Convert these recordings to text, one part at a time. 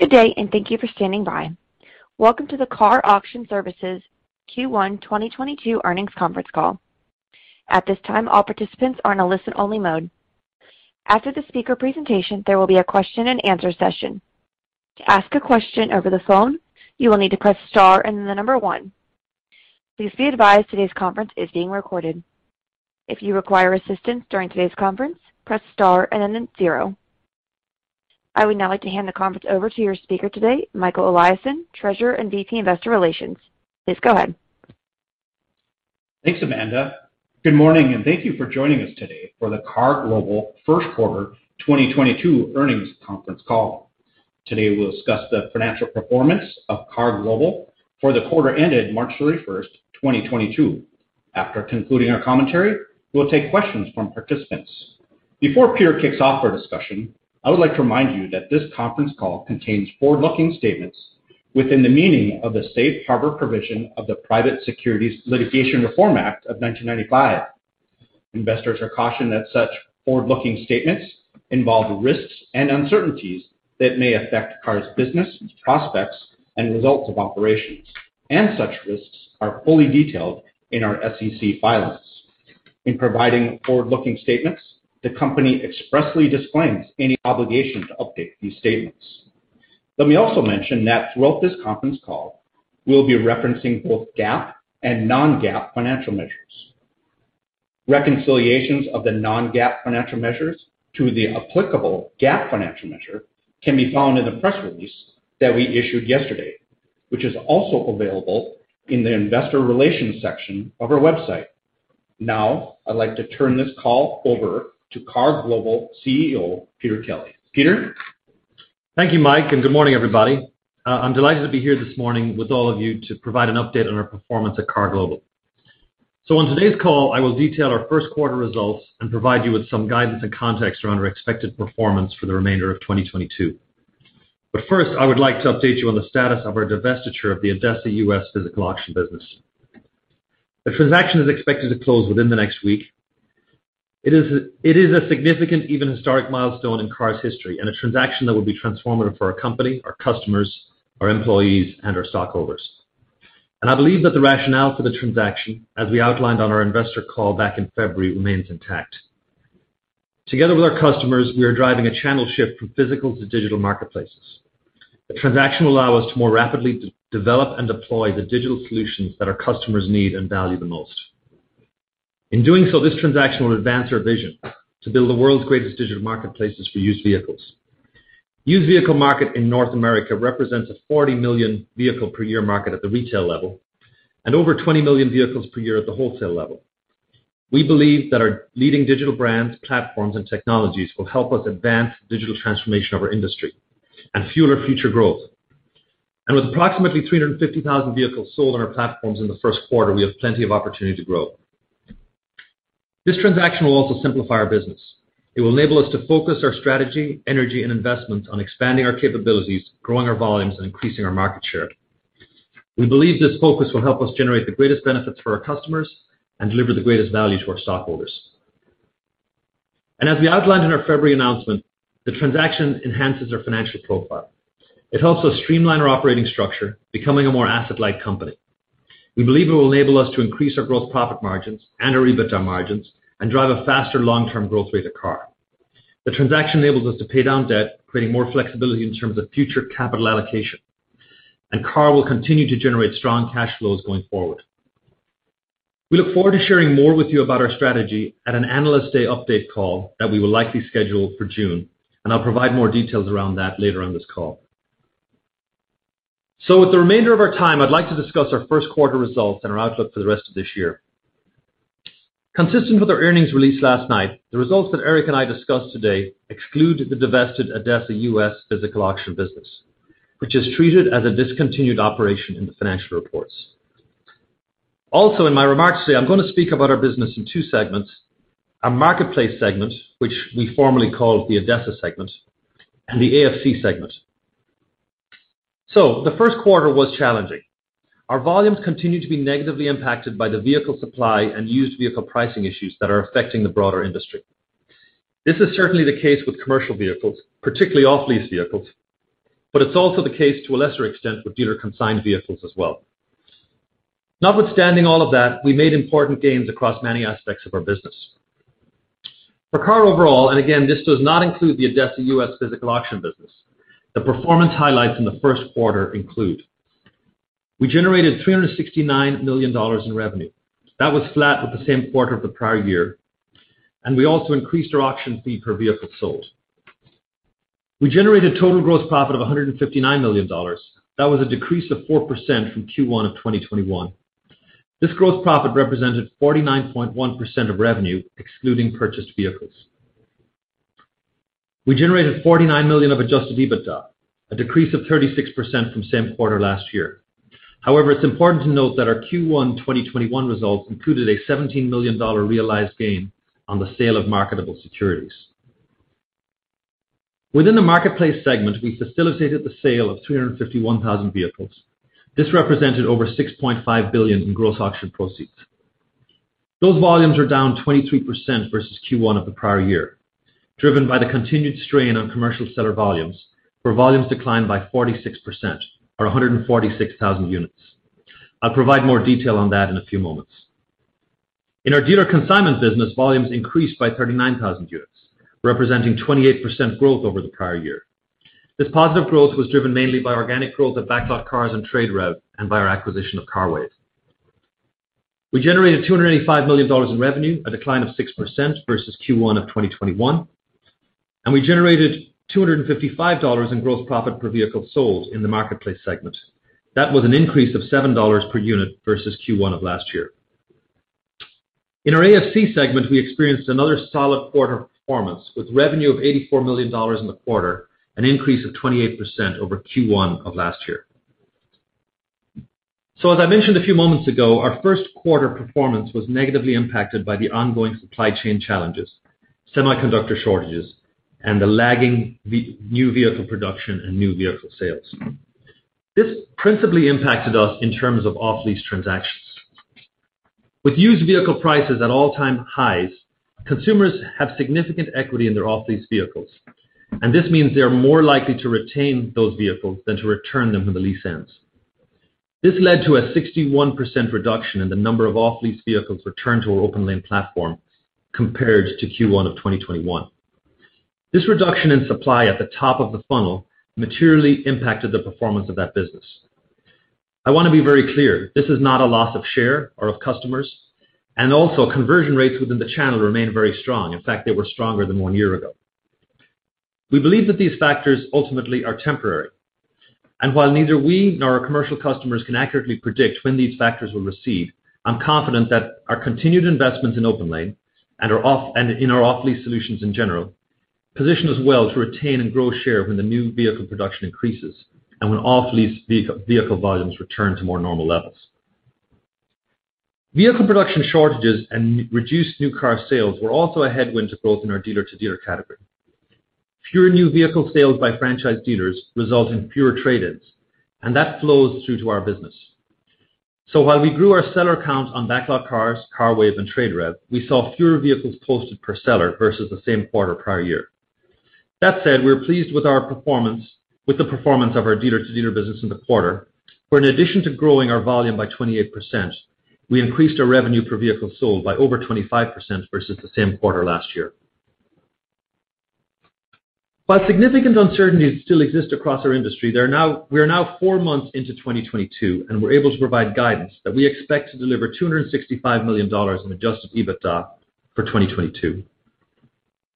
Good day, and thank you for standing by. Welcome to the KAR Auction Services Q1 2022 earnings conference call. At this time, all participants are in a listen-only mode. After the speaker presentation, there will be a question-and-answer session. To ask a question over the phone, you will need to press star and then the number one. Please be advised today's conference is being recorded. If you require assistance during today's conference, press star and then 0. I would now like to hand the conference over to your speaker today, Michael Eliason, Treasurer and VP, Investor Relations. Please go ahead. Thanks, Amanda. Good morning, and thank you for joining us today for the KAR Global first quarter 2022 earnings conference call. Today, we'll discuss the financial performance of KAR Global for the quarter ended March 31st, 2022. After concluding our commentary, we'll take questions from participants. Before Peter kicks off our discussion, I would like to remind you that this conference call contains forward-looking statements within the meaning of the Safe Harbor provision of the Private Securities Litigation Reform Act of 1995. Investors are cautioned that such forward-looking statements involve risks and uncertainties that may affect KAR's business, prospects and results of operations. Such risks are fully detailed in our SEC filings. In providing forward-looking statements, the company expressly disclaims any obligation to update these statements. Let me also mention that throughout this conference call, we'll be referencing both GAAP and non-GAAP financial measures. Reconciliations of the non-GAAP financial measures to the applicable GAAP financial measure can be found in the press release that we issued yesterday, which is also available in the investor relations section of our website. Now, I'd like to turn this call over to KAR Global CEO, Peter Kelly. Peter? Thank you, Mike, and good morning, everybody. I'm delighted to be here this morning with all of you to provide an update on our performance at KAR Global. On today's call, I will detail our first quarter results and provide you with some guidance and context around our expected performance for the remainder of 2022. First, I would like to update you on the status of our divestiture of the ADESA U.S. physical auction business. The transaction is expected to close within the next week. It is a significant, even historic milestone in KAR's history, and a transaction that will be transformative for our company, our customers, our employees, and our stockholders. I believe that the rationale for the transaction, as we outlined on our investor call back in February, remains intact. Together with our customers, we are driving a channel shift from physical to digital marketplaces. The transaction will allow us to more rapidly develop and deploy the digital solutions that our customers need and value the most. In doing so, this transaction will advance our vision to build the world's greatest digital marketplaces for used vehicles. Used vehicle market in North America represents a 40 million vehicle per year market at the retail level and over 20 million vehicles per year at the wholesale level. We believe that our leading digital brands, platforms, and technologies will help us advance digital transformation of our industry and fuel our future growth. With approximately 350,000 vehicles sold on our platforms in the first quarter, we have plenty of opportunity to grow. This transaction will also simplify our business. It will enable us to focus our strategy, energy, and investments on expanding our capabilities, growing our volumes, and increasing our market share. We believe this focus will help us generate the greatest benefits for our customers and deliver the greatest value to our stockholders. And as we outlined in our February announcement, the transaction enhances our financial profile. It helps us streamline our operating structure, becoming a more asset-like company. We believe it will enable us to increase our gross profit margins and our EBITDA margins and drive a faster long-term growth rate at KAR. The transaction enables us to pay down debt, creating more flexibility in terms of future capital allocation, and KAR will continue to generate strong cash flows going forward. We look forward to sharing more with you about our strategy at an Analyst Day update call that we will likely schedule for June, and I'll provide more details around that later on this call. With the remainder of our time, I'd like to discuss our first quarter results and our outlook for the rest of this year. Consistent with our earnings release last night, the results that Eric and I discussed today exclude the divested ADESA U.S. physical auction business, which is treated as a discontinued operation in the financial reports. Also, in my remarks today, I'm gonna speak about our business in two segments, our Marketplace segment, which we formerly called the ADESA segment, and the AFC segment. The first quarter was challenging. Our volumes continued to be negatively impacted by the vehicle supply and used vehicle pricing issues that are affecting the broader industry. This is certainly the case with commercial vehicles, particularly off-lease vehicles, but it's also the case to a lesser extent with dealer-consigned vehicles as well. Notwithstanding all of that, we made important gains across many aspects of our business. For KAR overall, and again, this does not include the ADESA U.S. physical auction business, the performance highlights in the first quarter include we generated $369 million in revenue. That was flat with the same quarter of the prior year. We also increased our auction fee per vehicle sold. We generated total gross profit of $159 million. That was a decrease of 4% from Q1 of 2021. This gross profit represented 49.1% of revenue, excluding purchased vehicles. We generated $49 million of Adjusted EBITDA, a decrease of 36% from same quarter last year. However, it's important to note that our Q1 2021 results included a $17 million realized gain on the sale of marketable securities. Within the Marketplace segment, we facilitated the sale of 351,000 vehicles. This represented over $6.5 billion in gross auction proceeds. Those volumes are down 23% versus Q1 of the prior year, driven by the continued strain on commercial seller volumes, where volumes declined by 46% or 146,000 units. I'll provide more detail on that in a few moments. In our dealer consignment business, volumes increased by 39,000 units, representing 28% growth over the prior year. This positive growth was driven mainly by organic growth at BacklotCars and TradeRev, and by our acquisition of CARWAVE. We generated $285 million in revenue, a decline of 6% versus Q1 of 2021, and we generated $255 in gross profit per vehicle sold in the marketplace segment. That was an increase of $7 per unit versus Q1 of last year. In our AFC segment, we experienced another solid quarter performance, with revenue of $84 million in the quarter, an increase of 28% over Q1 of last year. As I mentioned a few moments ago, our first quarter performance was negatively impacted by the ongoing supply chain challenges, semiconductor shortages, and the lagging new vehicle production and new vehicle sales. This principally impacted us in terms of off-lease transactions. With used vehicle prices at all-time highs, consumers have significant equity in their off-lease vehicles, and this means they are more likely to retain those vehicles than to return them when the lease ends. This led to a 61% reduction in the number of off-lease vehicles returned to our OPENLANE platform compared to Q1 of 2021. This reduction in supply at the top of the funnel materially impacted the performance of that business. I want to be very clear, this is not a loss of share or of customers, and also conversion rates within the channel remain very strong. In fact, they were stronger than one year ago. We believe that these factors ultimately are temporary. While neither we nor our commercial customers can accurately predict when these factors will recede, I'm confident that our continued investments in OPENLANE and are off. In our off-lease solutions in general, position us well to retain and grow share when the new vehicle production increases and when off-lease vehicle volumes return to more normal levels. Vehicle production shortages and reduced new car sales were also a headwind to growth in our dealer-to-dealer category. Fewer new vehicle sales by franchise dealers result in fewer trade-ins, and that flows through to our business. While we grew our seller count on BacklotCars, CARWAVE, and TradeRev, we saw fewer vehicles posted per seller versus the same quarter prior year. That said, we're pleased with our performance, with the performance of our dealer-to-dealer business in the quarter, where in addition to growing our volume by 28%, we increased our revenue per vehicle sold by over 25% versus the same quarter last year. While significant uncertainties still exist across our industry, we are now four months into 2022, and we're able to provide guidance that we expect to deliver $265 million in Adjusted EBITDA for 2022.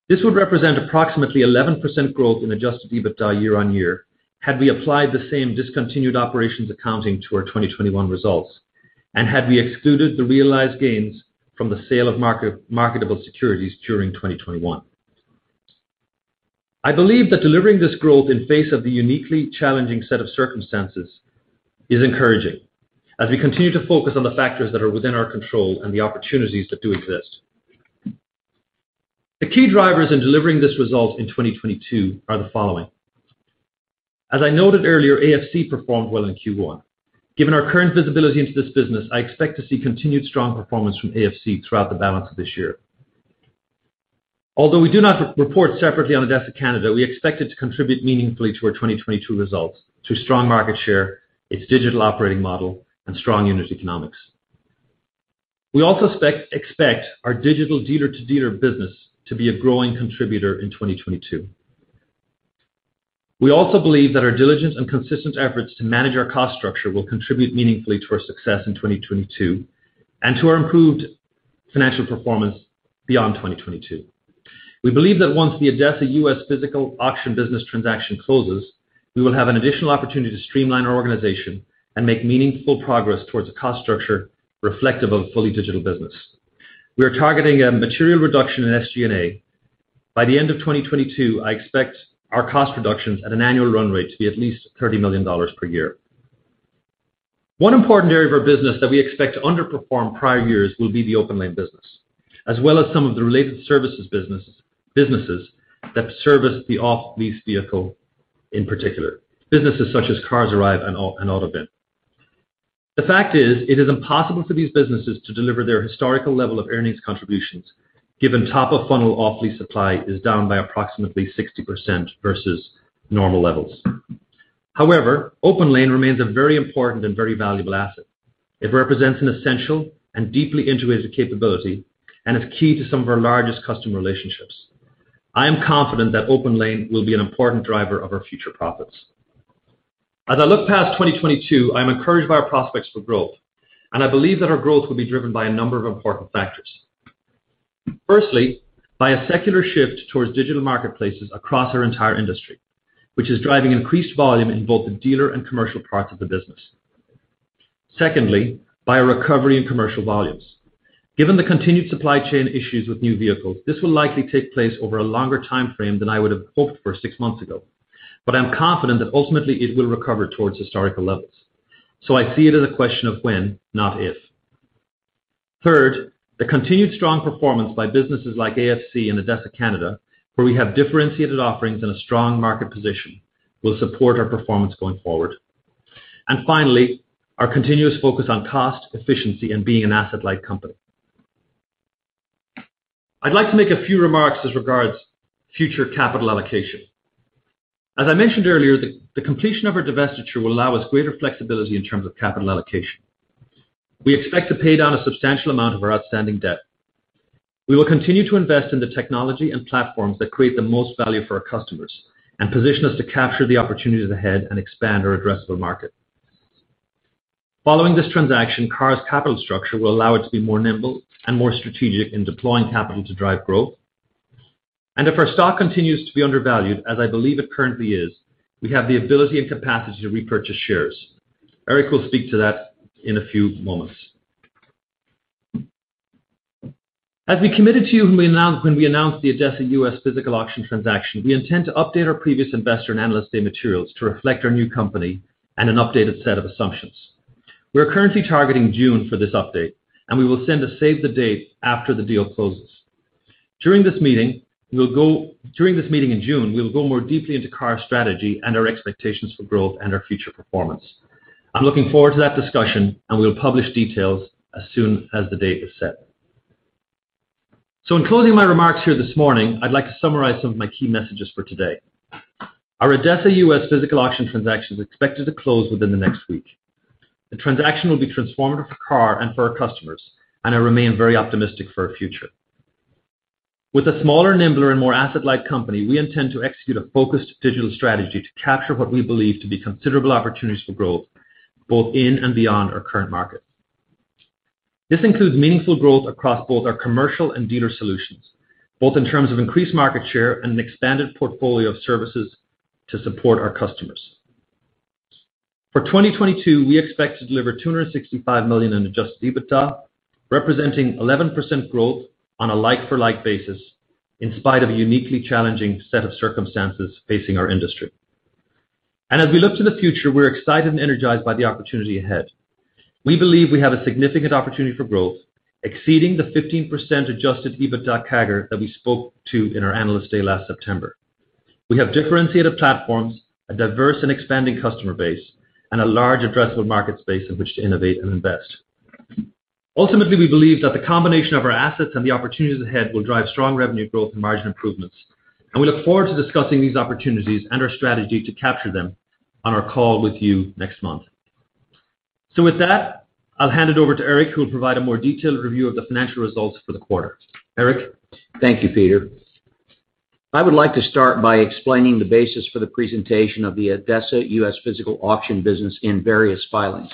This would represent approximately 11% growth in Adjusted EBITDA year-on-year had we applied the same discontinued operations accounting to our 2021 results and had we excluded the realized gains from the sale of marketable securities during 2021. I believe that delivering this growth in the face of the uniquely challenging set of circumstances is encouraging as we continue to focus on the factors that are within our control and the opportunities that do exist. The key drivers in delivering this result in 2022 are the following. As I noted earlier, AFC performed well in Q1. Given our current visibility into this business, I expect to see continued strong performance from AFC throughout the balance of this year. Although we do not re-report separately on ADESA Canada, we expect it to contribute meaningfully to our 2022 results through strong market share, its digital operating model, and strong unit economics. We also expect our digital dealer-to-dealer business to be a growing contributor in 2022. We also believe that our diligence and consistent efforts to manage our cost structure will contribute meaningfully to our success in 2022 and to our improved financial performance beyond 2022. We believe that once the ADESA U.S. physical auction business transaction closes, we will have an additional opportunity to streamline our organization and make meaningful progress towards a cost structure reflective of a fully digital business. We are targeting a material reduction in SG&A. By the end of 2022, I expect our cost reductions at an annual run rate to be at least $30 million per year. One important area of our business that we expect to underperform prior years will be the OPENLANE business, as well as some of the related services business, businesses that service the off-lease vehicle in particular, businesses such as CarsArrive and AutoVIN. The fact is it is impossible for these businesses to deliver their historical level of earnings contributions given top of funnel off-lease supply is down by approximately 60% versus normal levels. However, OPENLANE remains a very important and very valuable asset. It represents an essential and deeply integrated capability and is key to some of our largest customer relationships. I am confident that OPENLANE will be an important driver of our future profits. As I look past 2022, I am encouraged by our prospects for growth, and I believe that our growth will be driven by a number of important factors. Firstly, by a secular shift towards digital marketplaces across our entire industry, which is driving increased volume in both the dealer and commercial parts of the business. Secondly, by a recovery in commercial volumes. Given the continued supply chain issues with new vehicles, this will likely take place over a longer timeframe than I would have hoped for six months ago. I'm confident that ultimately it will recover towards historical levels. I see it as a question of when, not if. Third, the continued strong performance by businesses like AFC and ADESA Canada, where we have differentiated offerings and a strong market position, will support our performance going forward. Finally, our continuous focus on cost efficiency and being an asset-light company. I'd like to make a few remarks as regards future capital allocation. As I mentioned earlier, the completion of our divestiture will allow us greater flexibility in terms of capital allocation. We expect to pay down a substantial amount of our outstanding debt. We will continue to invest in the technology and platforms that create the most value for our customers and position us to capture the opportunities ahead and expand our addressable market. Following this transaction, KAR's capital structure will allow it to be more nimble and more strategic in deploying capital to drive growth. If our stock continues to be undervalued, as I believe it currently is, we have the ability and capacity to repurchase shares. Eric will speak to that in a few moments. As we committed to you when we announced the ADESA U.S. physical auction transaction, we intend to update our previous investor and analyst day materials to reflect our new company and an updated set of assumptions. We are currently targeting June for this update, and we will send a save the date after the deal closes. During this meeting in June, we will go more deeply into KAR's strategy and our expectations for growth and our future performance. I'm looking forward to that discussion and we'll publish details as soon as the date is set. In closing my remarks here this morning, I'd like to summarize some of my key messages for today. Our ADESA U.S. physical auction transaction is expected to close within the next week. The transaction will be transformative for KAR and for our customers, and I remain very optimistic for our future. With a smaller, nimbler, and more asset-light company, we intend to execute a focused digital strategy to capture what we believe to be considerable opportunities for growth, both in and beyond our current markets. This includes meaningful growth across both our commercial and dealer solutions, both in terms of increased market share and an expanded portfolio of services to support our customers. For 2022, we expect to deliver $265 million in Adjusted EBITDA, representing 11% growth on a like-for-like basis, in spite of a uniquely challenging set of circumstances facing our industry. As we look to the future, we're excited and energized by the opportunity ahead. We believe we have a significant opportunity for growth, exceeding the 15% Adjusted EBITDA CAGR that we spoke to in our Analyst Day last September. We have differentiated platforms, a diverse and expanding customer base, and a large addressable market space in which to innovate and invest. Ultimately, we believe that the combination of our assets and the opportunities ahead will drive strong revenue growth and margin improvements, and we look forward to discussing these opportunities and our strategy to capture them on our call with you next month. With that, I'll hand it over to Eric, who will provide a more detailed review of the financial results for the quarter. Eric? Thank you, Peter. I would like to start by explaining the basis for the presentation of the ADESA U.S. Physical auction business in various filings.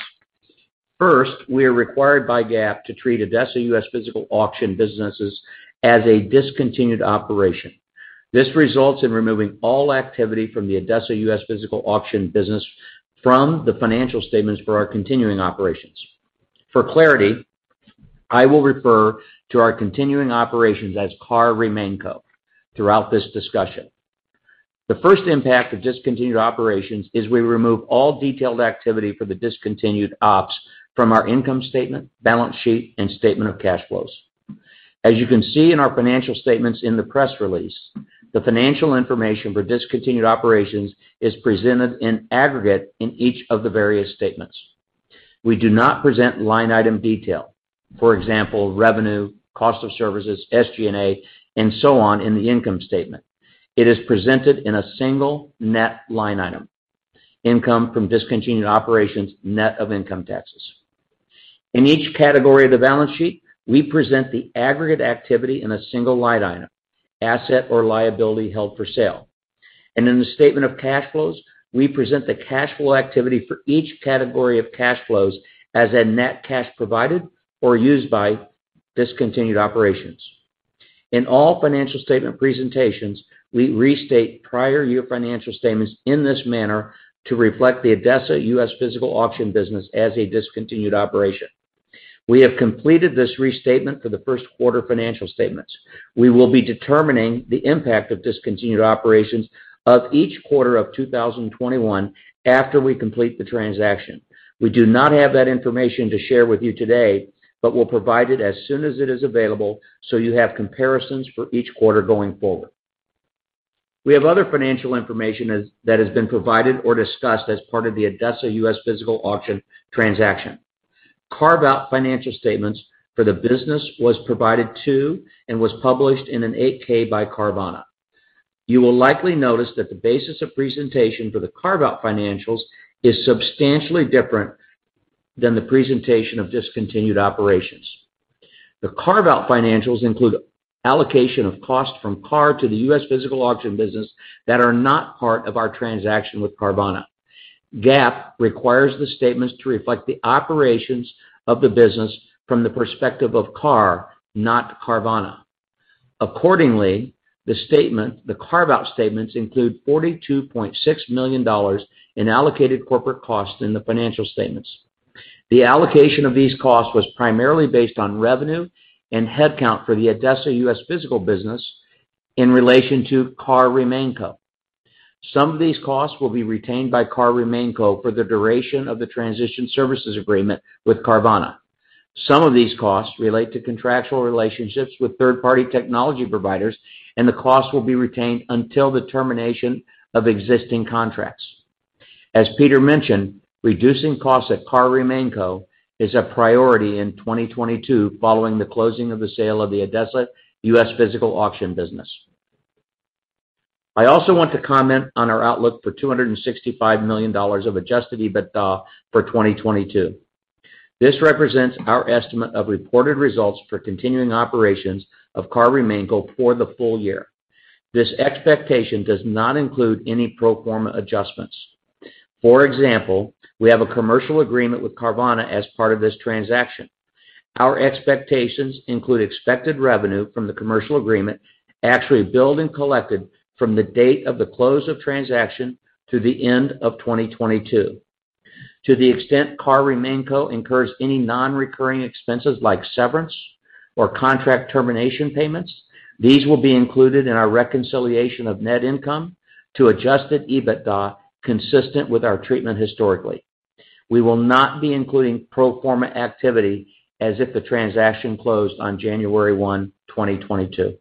First, we are required by GAAP to treat ADESA U.S. Physical auction businesses as a discontinued operation. This results in removing all activity from the ADESA U.S. Physical auction business from the financial statements for our continuing operations. For clarity, I will refer to our continuing operations as KAR RemainCo throughout this discussion. The first impact of discontinued operations is we remove all detailed activity for the discontinued ops from our income statement, balance sheet, and statement of cash flows. As you can see in our financial statements in the press release, the financial information for discontinued operations is presented in aggregate in each of the various statements. We do not present line item detail. For example, revenue, cost of services, SG&A, and so on in the income statement. It is presented in a single net line item, income from discontinued operations, net of income taxes. In each category of the balance sheet, we present the aggregate activity in a single line item, asset or liability held for sale. In the statement of cash flows, we present the cash flow activity for each category of cash flows as a net cash provided or used by discontinued operations. In all financial statement presentations, we restate prior year financial statements in this manner to reflect the ADESA U.S. physical auction business as a discontinued operation. We have completed this restatement for the first quarter financial statements. We will be determining the impact of discontinued operations of each quarter of 2021 after we complete the transaction. We do not have that information to share with you today, but we'll provide it as soon as it is available, so you have comparisons for each quarter going forward. We have other financial information that has been provided or discussed as part of the ADESA U.S. physical auction transaction. Carve-out financial statements for the business was provided to and was published in an 8-K by Carvana. You will likely notice that the basis of presentation for the carve-out financials is substantially different than the presentation of discontinued operations. The carve-out financials include allocation of cost from KAR to the U.S. physical auction business that are not part of our transaction with Carvana. GAAP requires the statements to reflect the operations of the business from the perspective of KAR, not Carvana. Accordingly, the carve-out statements include $42.6 million in allocated corporate costs in the financial statements. The allocation of these costs was primarily based on revenue and headcount for the ADESA U.S. Physical business in relation to KAR RemainCo. Some of these costs will be retained by KAR RemainCo for the duration of the transition services agreement with Carvana. Some of these costs relate to contractual relationships with third-party technology providers, and the costs will be retained until the termination of existing contracts. Peter mentioned, reducing costs at KAR RemainCo is a priority in 2022 following the closing of the sale of the ADESA U.S. physical auction business. I also want to comment on our outlook for $265 million of Adjusted EBITDA for 2022. This represents our estimate of reported results for continuing operations of KAR RemainCo for the full year. This expectation does not include any pro forma adjustments. For example, we have a commercial agreement with Carvana as part of this transaction. Our expectations include expected revenue from the commercial agreement actually billed and collected from the date of the close of transaction to the end of 2022. To the extent KAR RemainCo incurs any non-recurring expenses like severance or contract termination payments, these will be included in our reconciliation of net income to Adjusted EBITDA, consistent with our treatment historically. We will not be including pro forma activity as if the transaction closed on January 1, 2022.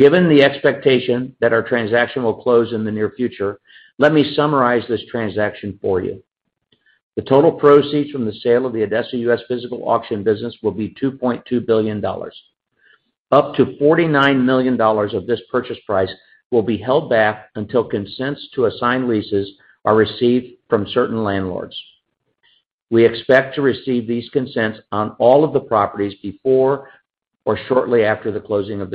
Given the expectation that our transaction will close in the near future, let me summarize this transaction for you. The total proceeds from the sale of the ADESA U.S. physical auction business will be $2.2 billion. Up to $49 million of this purchase price will be held back until consents to assign leases are received from certain landlords. We expect to receive these consents on all of the properties before or shortly after the closing of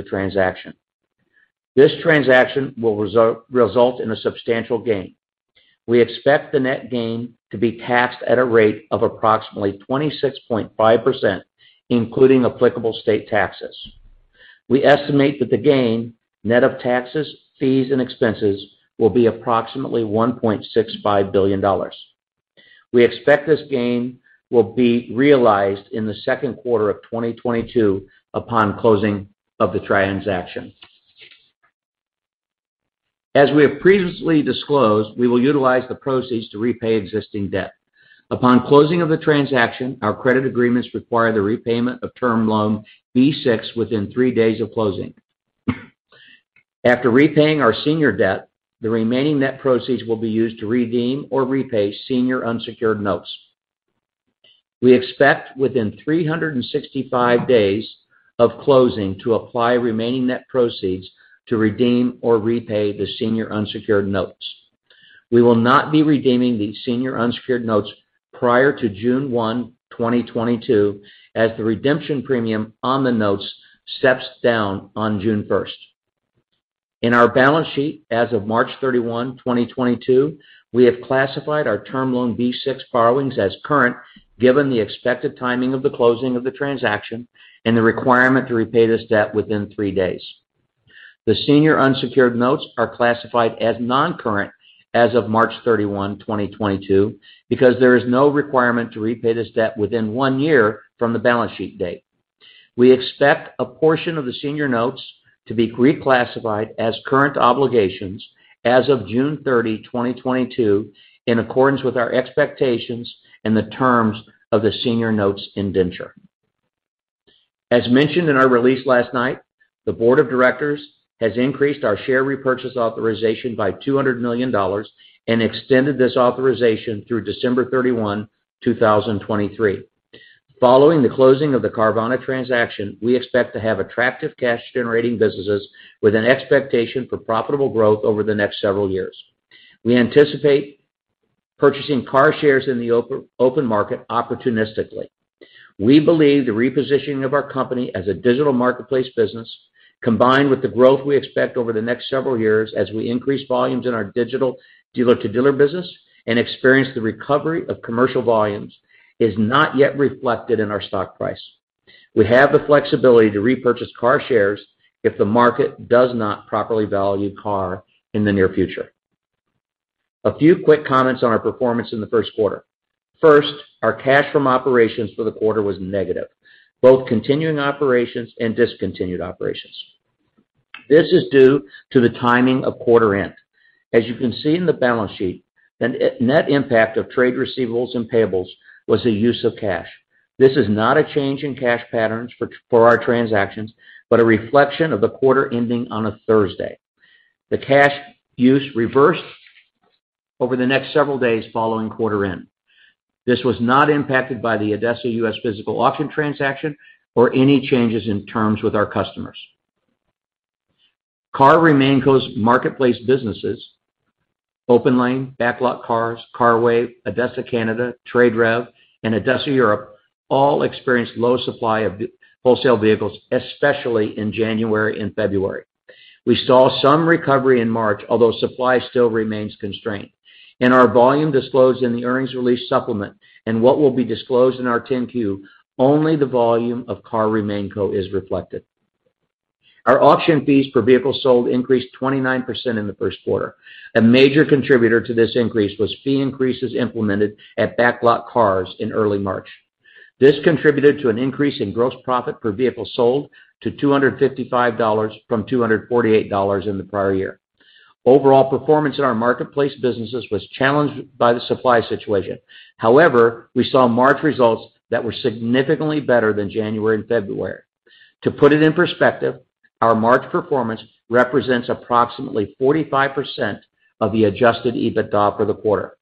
the transaction. This transaction will result in a substantial gain. We expect the net gain to be taxed at a rate of approximately 26.5%, including applicable state taxes. We estimate that the gain, net of taxes, fees, and expenses, will be approximately $1.65 billion. We expect this gain will be realized in the second quarter of 2022 upon closing of the transaction. As we have previously disclosed, we will utilize the proceeds to repay existing debt. Upon closing of the transaction, our credit agreements require the repayment of Term Loan B-6 within three days of closing. After repaying our senior debt, the remaining net proceeds will be used to redeem or repay senior unsecured notes. We expect within 365 days of closing to apply remaining net proceeds to redeem or repay the senior unsecured notes. We will not be redeeming the senior unsecured notes prior to June 1, 2022, as the redemption premium on the notes steps down on June 1. In our balance sheet as of March 31, 2022, we have classified our Term Loan B-6 borrowings as current, given the expected timing of the closing of the transaction and the requirement to repay this debt within three days. The senior unsecured notes are classified as noncurrent as of March 31, 2022, because there is no requirement to repay this debt within one year from the balance sheet date. We expect a portion of the senior notes to be reclassified as current obligations as of June 30, 2022, in accordance with our expectations and the terms of the senior notes indenture. As mentioned in our release last night, the board of directors has increased our share repurchase authorization by $200 million and extended this authorization through December 31, 2023. Following the closing of the Carvana transaction, we expect to have attractive cash-generating businesses with an expectation for profitable growth over the next several years. We anticipate purchasing KAR shares in the open market opportunistically. We believe the repositioning of our company as a digital marketplace business, combined with the growth we expect over the next several years as we increase volumes in our digital dealer-to-dealer business and experience the recovery of commercial volumes, is not yet reflected in our stock price. We have the flexibility to repurchase KAR shares if the market does not properly value KAR in the near future. A few quick comments on our performance in the first quarter. First, our cash from operations for the quarter was negative, both continuing operations and discontinued operations. This is due to the timing of quarter end. As you can see in the balance sheet, the net impact of trade receivables and payables was a use of cash. This is not a change in cash patterns for our transactions, but a reflection of the quarter ending on a Thursday. The cash use reversed over the next several days following quarter end. This was not impacted by the ADESA U.S. physical auction transaction or any changes in terms with our customers. KAR RemainCo's marketplace businesses, OPENLANE, BacklotCars, CARWAVE, ADESA Canada, TradeRev, and ADESA Europe, all experienced low supply of wholesale vehicles, especially in January and February. We saw some recovery in March, although supply still remains constrained. In our volume disclosed in the earnings release supplement and what will be disclosed in our 10-Q, only the volume of KAR RemainCo is reflected. Our auction fees per vehicle sold increased 29% in the first quarter. A major contributor to this increase was fee increases implemented at BacklotCars in early March. This contributed to an increase in gross profit per vehicle sold to $255 from $248 in the prior year. Overall performance in our marketplace businesses was challenged by the supply situation. However, we saw March results that were significantly better than January and February. To put it in perspective, our March performance represents approximately 45% of the Adjusted EBITDA for the quarter.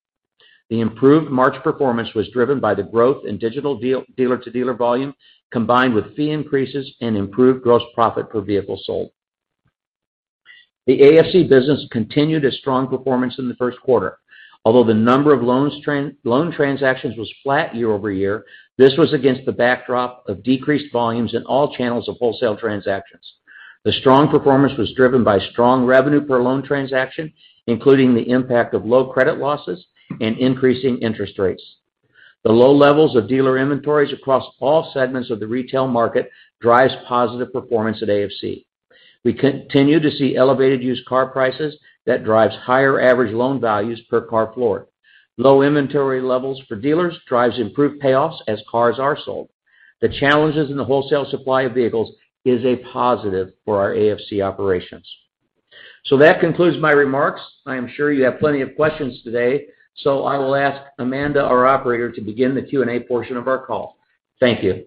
The improved March performance was driven by the growth in digital dealer-to-dealer volume, combined with fee increases and improved gross profit per vehicle sold. The AFC business continued its strong performance in the first quarter. Although the number of loan transactions was flat year-over-year, this was against the backdrop of decreased volumes in all channels of wholesale transactions. The strong performance was driven by strong revenue per loan transaction, including the impact of low credit losses and increasing interest rates. The low levels of dealer inventories across all segments of the retail market drives positive performance at AFC. We continue to see elevated used car prices that drives higher average loan values per car floor. Low inventory levels for dealers drives improved payoffs as cars are sold. The challenges in the wholesale supply of vehicles is a positive for our AFC operations. That concludes my remarks. I am sure you have plenty of questions today, so I will ask Amanda, our operator, to begin the Q&A portion of our call. Thank you.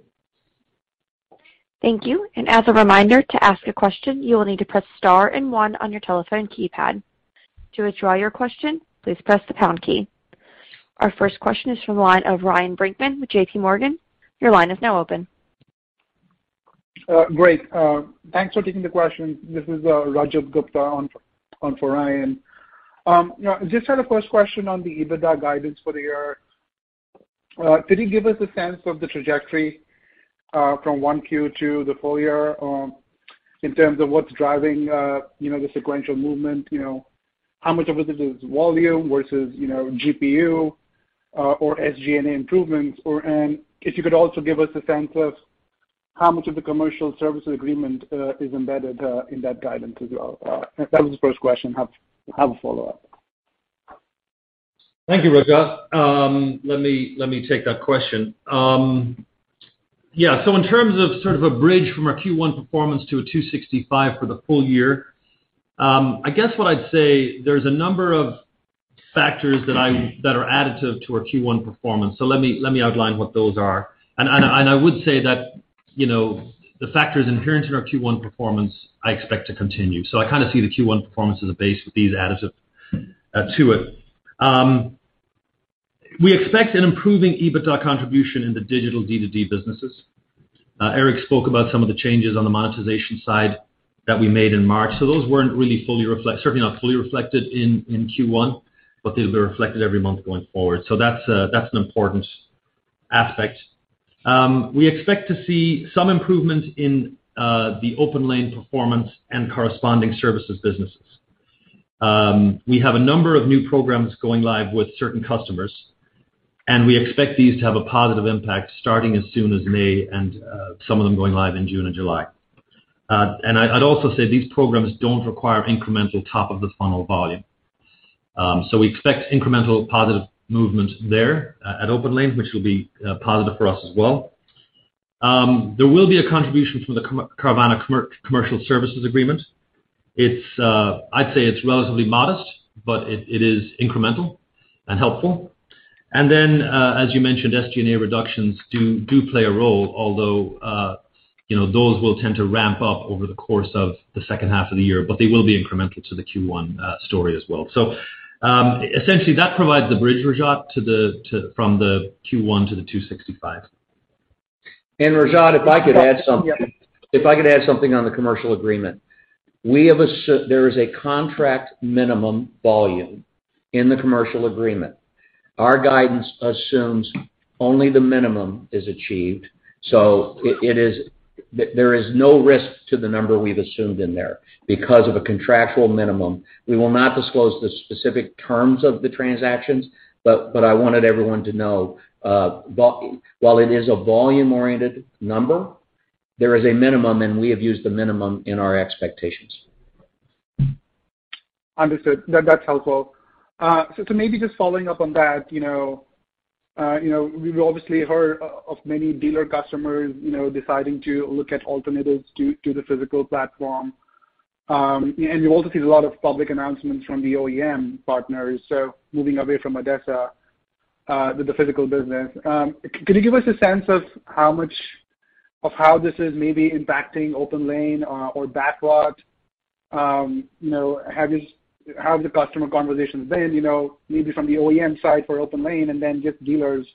Thank you. As a reminder, to ask a question, you will need to press star and one on your telephone keypad. To withdraw your question, please press the pound key. Our first question is from the line of Ryan Brinkman with J.P. Morgan. Your line is now open. Great. Thanks for taking the question. This is Rajat Gupta on for Ryan. You know, just sort of first question on the EBITDA guidance for the year. Can you give us a sense of the trajectory from 1Q to the full year in terms of what's driving you know the sequential movement? You know, how much of it is volume versus you know GPU or SG&A improvements? And if you could also give us a sense of how much of the commercial services agreement is embedded in that guidance as well. That was the first question. Have a follow-up. Thank you, Rajat. Let me take that question. Yeah. In terms of sort of a bridge from our Q1 performance to $265 for the full year, I guess what I'd say there's a number of factors that are additive to our Q1 performance. Let me outline what those are. I would say that, you know, the factors inherent in our Q1 performance I expect to continue. I kinda see the Q1 performance as a base with these additive to it. We expect an improving EBITDA contribution in the digital D2D businesses. Eric spoke about some of the changes on the monetization side that we made in March. Those weren't really fully reflected in Q1, but they'll be reflected every month going forward. That's an important aspect. We expect to see some improvement in the OPENLANE performance and corresponding services businesses. We have a number of new programs going live with certain customers, and we expect these to have a positive impact starting as soon as May and some of them going live in June and July. I'd also say these programs don't require incremental top of the funnel volume. We expect incremental positive movement there at OPENLANE, which will be positive for us as well. There will be a contribution from the Carvana commercial services agreement. It's, I'd say it's relatively modest, but it is incremental and helpful. As you mentioned, SG&A reductions do play a role, although, you know, those will tend to ramp up over the course of the second half of the year, but they will be incremental to the Q1 story as well. Essentially that provides the bridge, Rajat, from the Q1 to the $265. Rajat, if I could add something. Yeah. If I could add something on the commercial agreement. There is a contract minimum volume in the commercial agreement. Our guidance assumes only the minimum is achieved, so it is. There is no risk to the number we've assumed in there because of a contractual minimum. We will not disclose the specific terms of the transactions, but I wanted everyone to know, while it is a volume-oriented number, there is a minimum, and we have used the minimum in our expectations. Understood. That's helpful. Maybe just following up on that, you know, we've obviously heard of many dealer customers, you know, deciding to look at alternatives to the physical platform. You also see a lot of public announcements from the OEM partners. Moving away from ADESA, the physical business. Can you give us a sense of how this is maybe impacting OPENLANE or Backlot? You know, how have the customer conversations been, you know, maybe from the OEM side for OPENLANE and then just dealers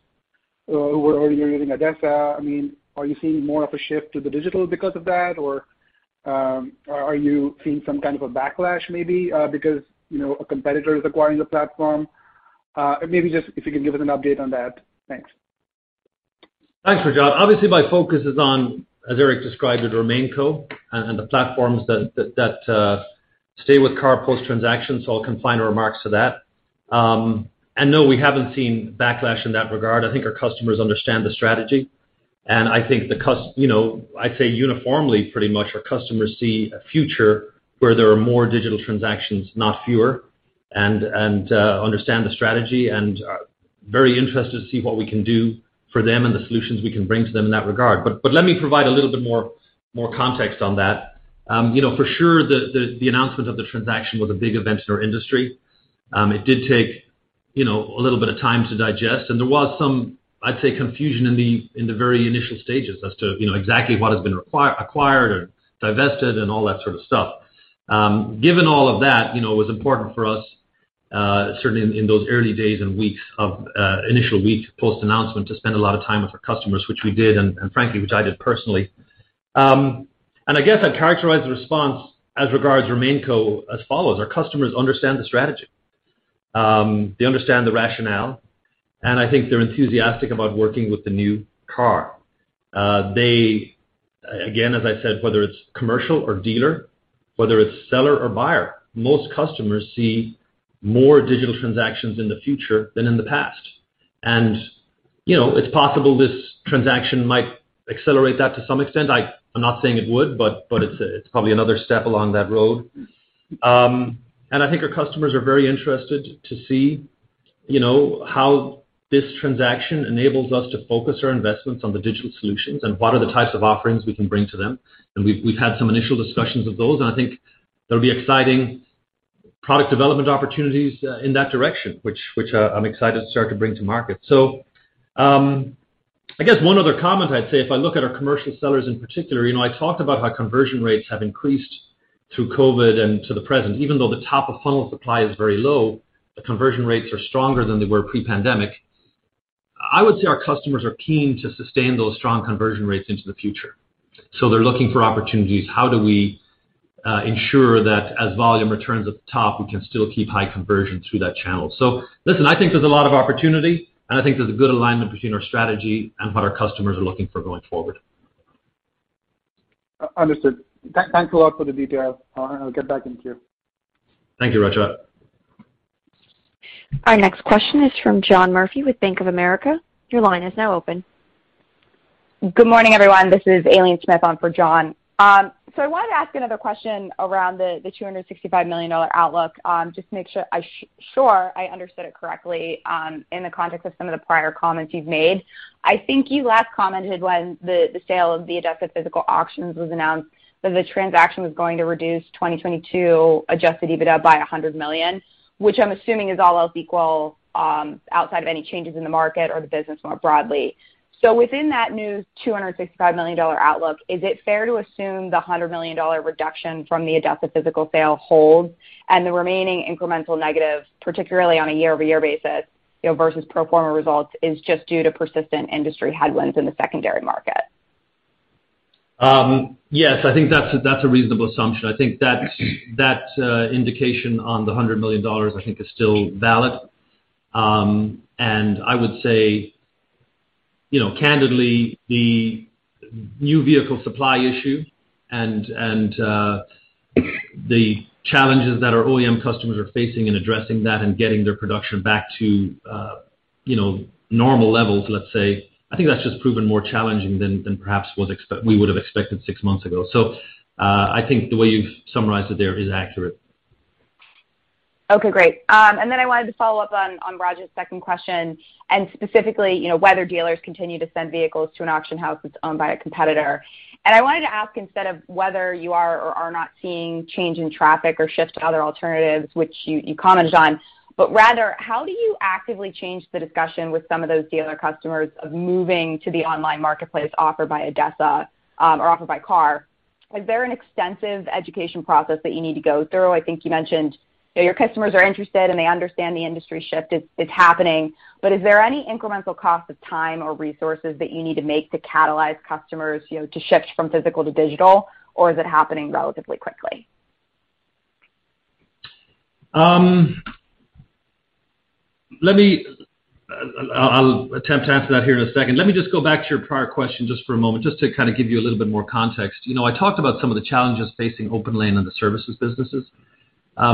who were earlier using ADESA? I mean, are you seeing more of a shift to the digital because of that? Or are you seeing some kind of a backlash maybe because, you know, a competitor is acquiring the platform? Maybe just if you could give us an update on that. Thanks. Thanks, Rajat. Obviously, my focus is on, as Eric described it, KAR RemainCo and the platforms that stay with KAR transactions, so I'll confine remarks to that. No, we haven't seen backlash in that regard. I think our customers understand the strategy, and I think you know, I'd say uniformly, pretty much our customers see a future where there are more digital transactions, not fewer, and understand the strategy and are very interested to see what we can do for them and the solutions we can bring to them in that regard. Let me provide a little bit more context on that. You know, for sure the announcement of the transaction was a big event in our industry. It did take, you know, a little bit of time to digest, and there was some, I'd say, confusion in the very initial stages as to exactly what has been acquired or divested and all that sort of stuff. Given all of that, you know, it was important for us, certainly in those early days and weeks of initial weeks post-announcement to spend a lot of time with our customers, which we did, and frankly, which I did personally. I guess I'd characterize the response as regards RemainCo as follows: Our customers understand the strategy. They understand the rationale, and I think they're enthusiastic about working with the new KAR. Again, as I said, whether it's commercial or dealer, whether it's seller or buyer, most customers see more digital transactions in the future than in the past. You know, it's possible this transaction might accelerate that to some extent. I'm not saying it would, but it's probably another step along that road. I think our customers are very interested to see, you know, how this transaction enables us to focus our investments on the digital solutions and what are the types of offerings we can bring to them. We've had some initial discussions of those, and I think there'll be exciting product development opportunities in that direction, which I'm excited to start to bring to market. I guess one other comment I'd say, if I look at our commercial sellers in particular, you know, I talked about how conversion rates have increased through COVID and to the present. Even though the top of funnel supply is very low, the conversion rates are stronger than they were pre-pandemic. I would say our customers are keen to sustain those strong conversion rates into the future. They're looking for opportunities. How do we ensure that as volume returns at the top, we can still keep high conversion through that channel? Listen, I think there's a lot of opportunity, and I think there's a good alignment between our strategy and what our customers are looking for going forward. Understood. Thanks a lot for the detail. I'll get back in queue. Thank you, Rajat. Our next question is from John Murphy with Bank of America. Your line is now open. Good morning, everyone. This is Aileen Smith on for John. I wanted to ask another question around the $265 million outlook, just to make sure I understood it correctly, in the context of some of the prior comments you've made. I think you last commented when the sale of the ADESA physical auctions was announced that the transaction was going to reduce 2022 Adjusted EBITDA by $100 million, which I'm assuming is all else equal, outside of any changes in the market or the business more broadly. Within that new $265 million outlook, is it fair to assume the $100 million reduction from the adjusted physical sale holds and the remaining incremental negative, particularly on a year-over-year basis, you know, versus pro forma results is just due to persistent industry headwinds in the secondary market? Yes. I think that's a reasonable assumption. I think that indication on the $100 million I think is still valid. I would say, you know, candidly, the new vehicle supply issue and the challenges that our OEM customers are facing in addressing that and getting their production back to, you know, normal levels, let's say, I think that's just proven more challenging than perhaps we would've expected six months ago. I think the way you've summarized it there is accurate. Okay. Great. Then I wanted to follow up on Rajat second question, and specifically, you know, whether dealers continue to send vehicles to an auction house that's owned by a competitor. I wanted to ask, instead of whether you are or are not seeing change in traffic or shift to other alternatives, which you commented on, but rather how do you actively change the discussion with some of those dealer customers of moving to the online marketplace offered by ADESA or offered by KAR? Is there an extensive education process that you need to go through? I think you mentioned that your customers are interested, and they understand the industry shift is happening. Is there any incremental cost of time or resources that you need to make to catalyze customers, you know, to shift from physical to digital, or is it happening relatively quickly? I'll attempt to answer that here in a second. Let me just go back to your prior question just for a moment, just to kinda give you a little bit more context. You know, I talked about some of the challenges facing OPENLANE and the services businesses.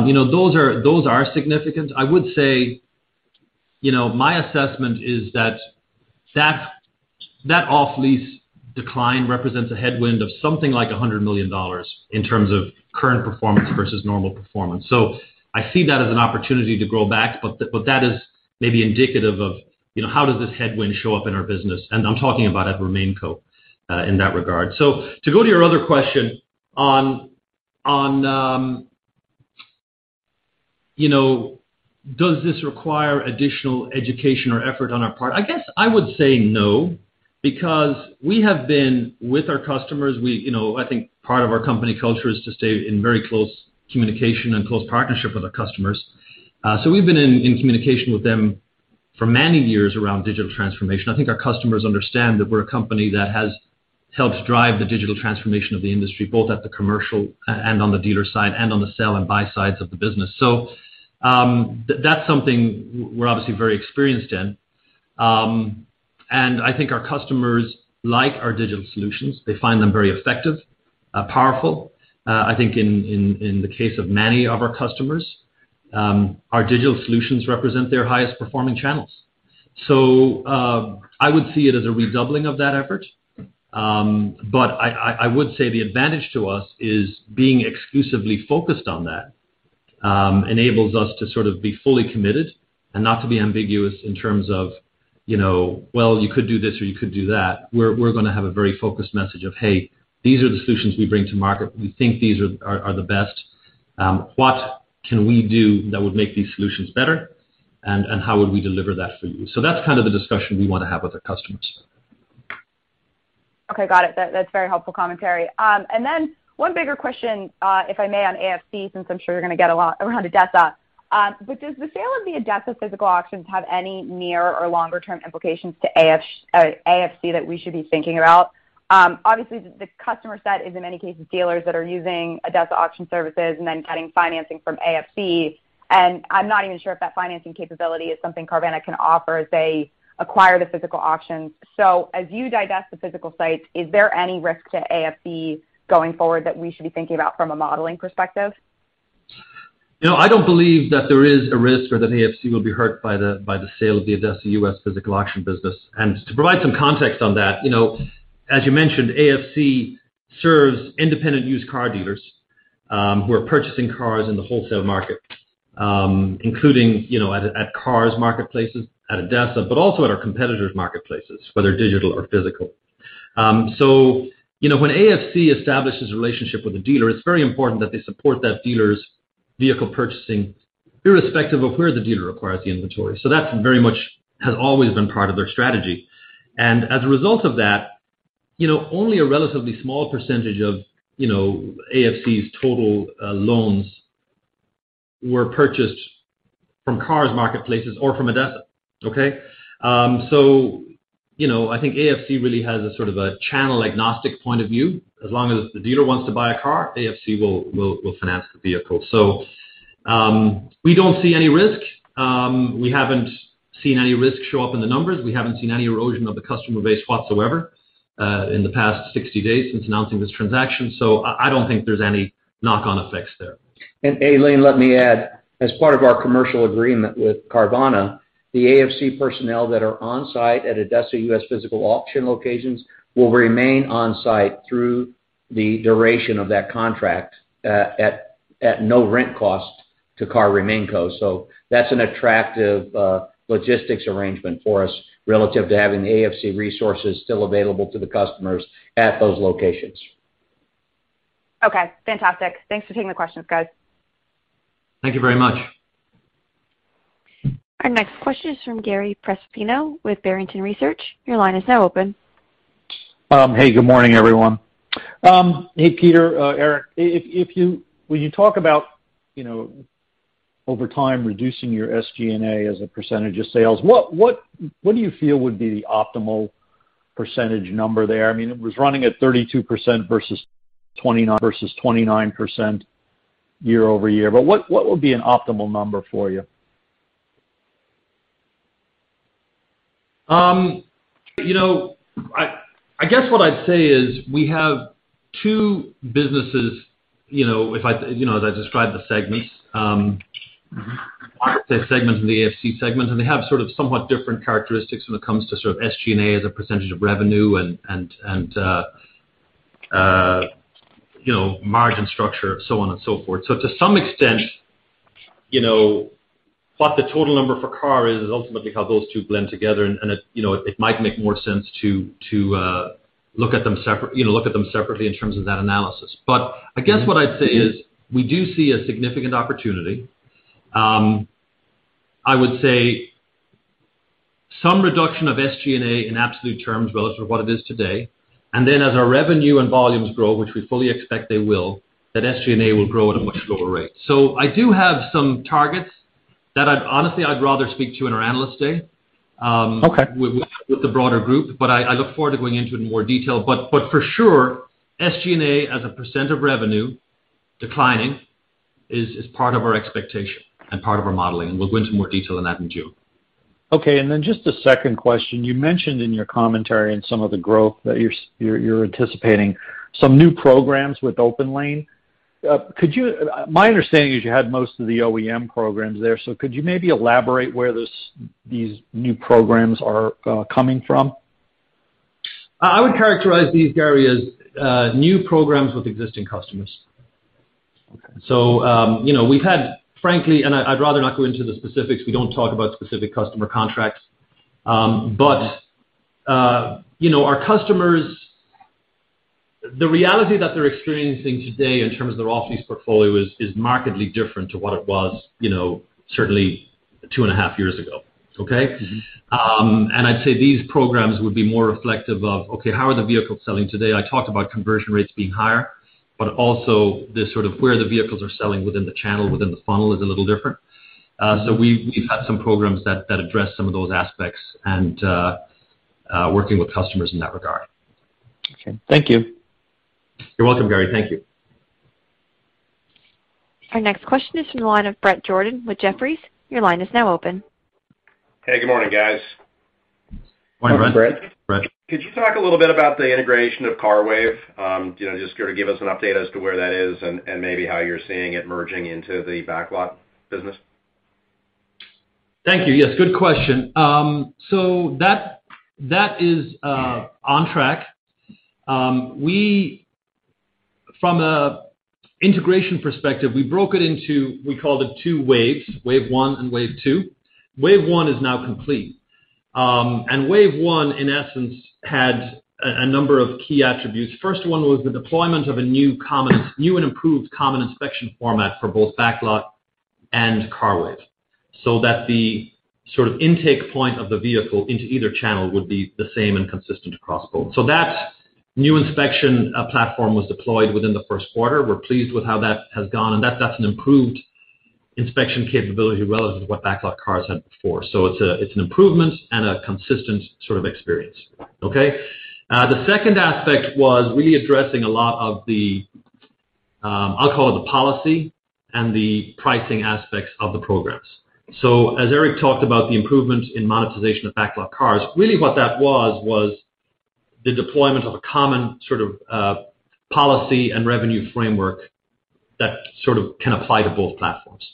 You know, those are significant. I would say, you know, my assessment is that off-lease decline represents a headwind of something like $100 million in terms of current performance versus normal performance. I see that as an opportunity to grow back, but that is maybe indicative of, you know, how does this headwind show up in our business. I'm talking about at RemainCo in that regard. To go to your other question on, you know, does this require additional education or effort on our part? I guess I would say no, because we have been with our customers. You know, I think part of our company culture is to stay in very close communication and close partnership with our customers. We've been in communication with them for many years around digital transformation. I think our customers understand that we're a company that has helped drive the digital transformation of the industry, both at the commercial and on the dealer side and on the sell and buy sides of the business. That's something we're obviously very experienced in. I think our customers like our digital solutions. They find them very effective, powerful. I think in the case of many of our customers, our digital solutions represent their highest performing channels. I would see it as a redoubling of that effort. I would say the advantage to us is being exclusively focused on that enables us to sort of be fully committed and not to be ambiguous in terms of. You know, well, you could do this or you could do that. We're gonna have a very focused message of, "Hey, these are the solutions we bring to market. We think these are the best. What can we do that would make these solutions better, and how would we deliver that for you?" That's kind of the discussion we wanna have with our customers. Okay. Got it. That's very helpful commentary. One bigger question, if I may, on AFC, since I'm sure you're gonna get a lot around ADESA. Does the sale of the ADESA physical auctions have any near or longer term implications to AFC that we should be thinking about? Obviously the customer set is in many cases, dealers that are using ADESA auction services and then getting financing from AFC. I'm not even sure if that financing capability is something Carvana can offer as they acquire the physical auctions. As you digest the physical sites, is there any risk to AFC going forward that we should be thinking about from a modeling perspective? You know, I don't believe that there is a risk or that AFC will be hurt by the sale of the ADESA U.S. physical auction business. To provide some context on that, you know, as you mentioned, AFC serves independent used car dealers who are purchasing cars in the wholesale market, including, you know, at KAR's marketplaces at ADESA, but also at our competitors' marketplaces, whether digital or physical. You know, when AFC establishes a relationship with a dealer, it's very important that they support that dealer's vehicle purchasing irrespective of where the dealer acquires the inventory. That very much has always been part of their strategy. As a result of that, you know, only a relatively small percentage of, you know, AFC's total loans were purchased from KAR's marketplaces or from ADESA. Okay? You know, I think AFC really has a sort of a channel agnostic point of view. As long as the dealer wants to buy a car, AFC will finance the vehicle. We don't see any risk. We haven't seen any risk show up in the numbers. We haven't seen any erosion of the customer base whatsoever, in the past 60 days since announcing this transaction. I don't think there's any knock-on effects there. Aileen, let me add, as part of our commercial agreement with Carvana, the AFC personnel that are on site at ADESA U.S. physical auction locations will remain on site through the duration of that contract, at no rent cost to KAR RemainCo. That's an attractive logistics arrangement for us relative to having the AFC resources still available to the customers at those locations. Okay, fantastic. Thanks for taking the questions, guys. Thank you very much. Our next question is from Gary Prestopino with Barrington Research. Your line is now open. Hey, good morning everyone. Hey, Peter, Eric. If you—when you talk about, you know, over time reducing your SG&A as a percentage of sales, what do you feel would be the optimal percentage number there? I mean, it was running at 32% versus 29% year-over-year, but what would be an optimal number for you? You know, I guess what I'd say is we have two businesses, you know, if I, you know, as I described the segments. Mm-hmm. The segments in the Finance segment, and they have sort of somewhat different characteristics when it comes to sort of SG&A as a percentage of revenue and, you know, margin structure, so on and so forth. To some extent, you know, what the total number for KAR is ultimately how those two blend together. It, you know, it might make more sense to look at them separately in terms of that analysis. I guess what I'd say is we do see a significant opportunity. I would say some reduction of SG&A in absolute terms relative to what it is today. Then as our revenue and volumes grow, which we fully expect they will, that SG&A will grow at a much lower rate. I do have some targets that I'd rather speak to in our Analyst Day. Okay. With the broader group, I look forward to going into it in more detail. For sure, SG&A as a percent of revenue declining is part of our expectation and part of our modeling, and we'll go into more detail on that in June. Okay. Just a second question. You mentioned in your commentary on some of the growth that you're anticipating some new programs with OPENLANE. My understanding is you had most of the OEM programs there, so could you maybe elaborate where these new programs are coming from? I would characterize these areas, new programs with existing customers. Okay. you know, we've had frankly, and I'd rather not go into the specifics. We don't talk about specific customer contracts. you know, our customers, the reality that they're experiencing today in terms of their off-lease portfolio is markedly different to what it was, you know, certainly 2.5 Years ago. Okay? Mm-hmm. I'd say these programs would be more reflective of, okay, how are the vehicles selling today? I talked about conversion rates being higher, but also the sort of where the vehicles are selling within the channel, within the funnel is a little different. We've had some programs that address some of those aspects and working with customers in that regard. Okay. Thank you. You're welcome, Gary. Thank you. Our next question is from the line of Bret Jordan with Jefferies. Your line is now open. Hey, good morning, guys. Morning, Bret. Bret. Could you talk a little bit about the integration of CARWAVE? You know, just gonna give us an update as to where that is and maybe how you're seeing it merging into the BacklotCars business. Thank you. Yes, good question. That is on track. From an integration perspective, we broke it into, we call it two waves, wave one and wave two. Wave one is now complete. Wave one, in essence, had a number of key attributes. First one was the deployment of a new and improved common inspection format for both BacklotCars and CARWAVE, so that the sort of intake point of the vehicle into either channel would be the same and consistent across both. That new inspection platform was deployed within the first quarter. We're pleased with how that has gone, and that's an improved inspection capability relative to what BacklotCars had before. It's an improvement and a consistent sort of experience. Okay. The second aspect was really addressing a lot of the, I'll call it the policy and the pricing aspects of the programs. As Eric talked about the improvements in monetization of BacklotCars, really what that was was the deployment of a common sort of policy and revenue framework that sort of can apply to both platforms.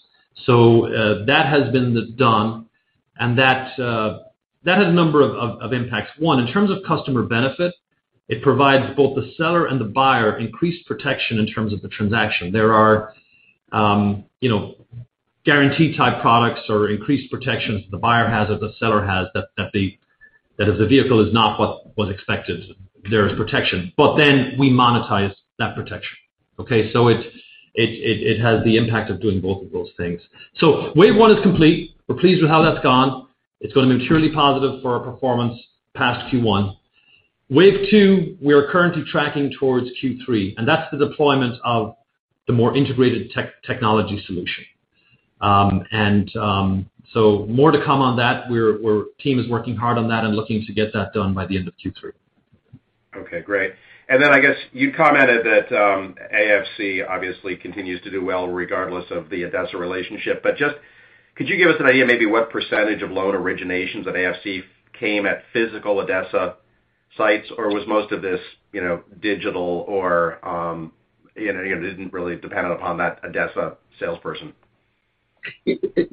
That has been done, and that had a number of impacts. One, in terms of customer benefit, it provides both the seller and the buyer increased protection in terms of the transaction. There are, you know, guaranteed type products or increased protections the buyer has or the seller has that if the vehicle is not what was expected, there is protection. But then we monetize that protection, okay? It has the impact of doing both of those things. Wave one is complete. We're pleased with how that's gone. It's gonna be purely positive for our performance past Q1. Wave two, we are currently tracking towards Q3, and that's the deployment of the more integrated technology solution. More to come on that. Team is working hard on that and looking to get that done by the end of Q3. Okay, great. I guess you commented that, AFC obviously continues to do well regardless of the ADESA relationship. Just could you give us an idea maybe what percentage of loan originations at AFC came at physical ADESA sites, or was most of this, you know, digital or, you know, didn't really depend upon that ADESA salesperson?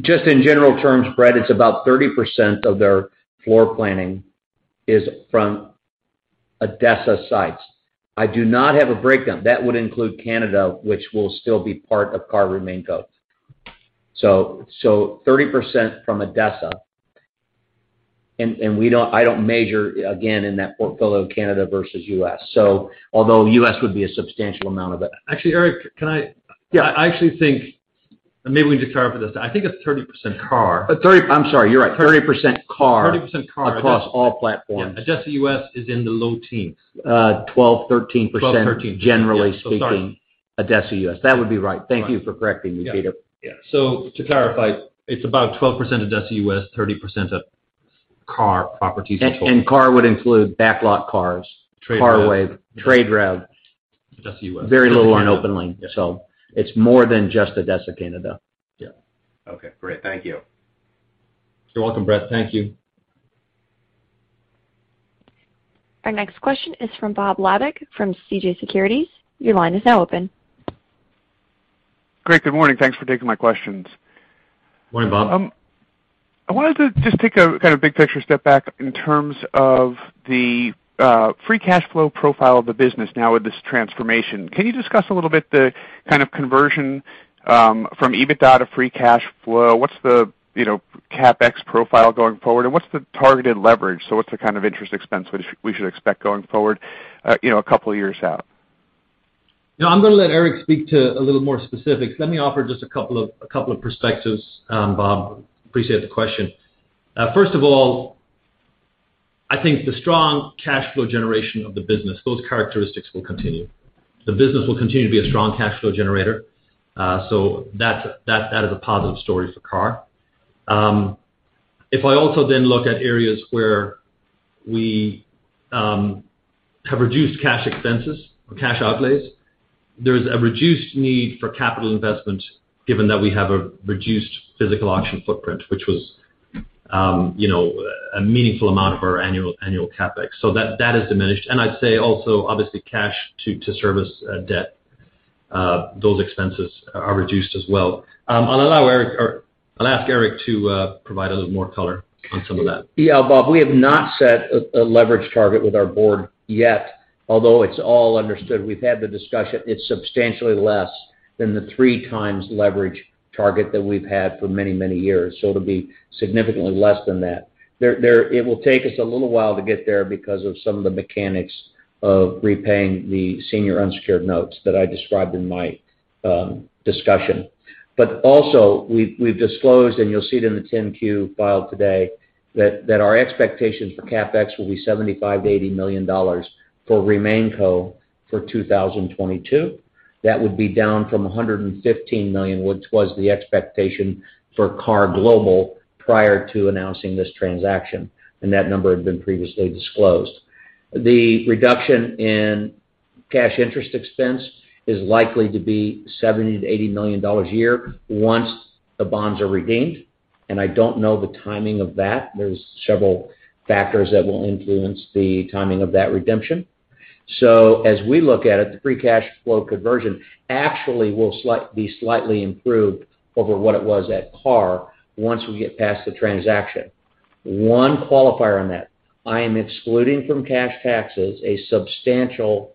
Just in general terms, Bret, it's about 30% of their floor planning is from ADESA sites. I do not have a breakdown. That would include Canada, which will still be part of KAR RemainCo. 30% from ADESA. I don't measure again in that portfolio Canada versus U.S. Although U.S. would be a substantial amount of it. Actually, Eric, can I? Yeah. I actually think, and maybe we just clarify this, I think it's 30% KAR. I'm sorry, you're right. 30% KAR- 30% KAR. Across all platforms. Yeah. ADESA U.S. is in the low teens. 12%-13%. 12%-13%. Yeah. Generally speaking. Sorry. ADESA U.S. That would be right. Thank you for correcting me, Peter. Yeah. To clarify, it's about 12% ADESA U.S., 30% of KAR properties and- KAR would include BacklotCars. TradeRev. CARWAVE, TradeRev. ADESA U.S. Very little on OPENLANE. Yeah. It's more than just ADESA Canada. Yeah. Okay, great. Thank you. You're welcome, Bret. Thank you. Our next question is from Robert Labick from CJS Securities. Your line is now open. Great. Good morning. Thanks for taking my questions. Morning, Bob. I wanted to just take a kind of big picture step back in terms of the free cash flow profile of the business now with this transformation. Can you discuss a little bit the kind of conversion from EBITDA to free cash flow? What's the, you know, CapEx profile going forward, and what's the targeted leverage? What's the kind of interest expense we should expect going forward, you know, a couple of years out? No, I'm gonna let Eric speak to a little more specifics. Let me offer just a couple of perspectives, Bob. Appreciate the question. First of all, I think the strong cash flow generation of the business, those characteristics will continue. The business will continue to be a strong cash flow generator. So that's a positive story for KAR. If I also then look at areas where we have reduced cash expenses or cash outlays, there is a reduced need for capital investment given that we have a reduced physical auction footprint, which was, you know, a meaningful amount of our annual CapEx. So that has diminished. I'd say also, obviously, cash to service debt, those expenses are reduced as well. I'll allow Eric, or I'll ask Eric to provide a little more color on some of that. Yeah, Bob, we have not set a leverage target with our board yet, although it's all understood. We've had the discussion. It's substantially less than the 3x leverage target that we've had for many, many years. It'll be significantly less than that. It will take us a little while to get there because of some of the mechanics of repaying the senior unsecured notes that I described in my discussion. We've disclosed, and you'll see it in the 10-Q filed today, that our expectations for CapEx will be $75 million-$80 million for KAR RemainCo for 2022. That would be down from $115 million, which was the expectation for KAR Global prior to announcing this transaction, and that number had been previously disclosed. The reduction in cash interest expense is likely to be $70 million-$80 million a year once the bonds are redeemed, and I don't know the timing of that. There's several factors that will influence the timing of that redemption. As we look at it, the free cash flow conversion actually will be slightly improved over what it was at KAR once we get past the transaction. One qualifier on that, I am excluding from cash taxes a substantial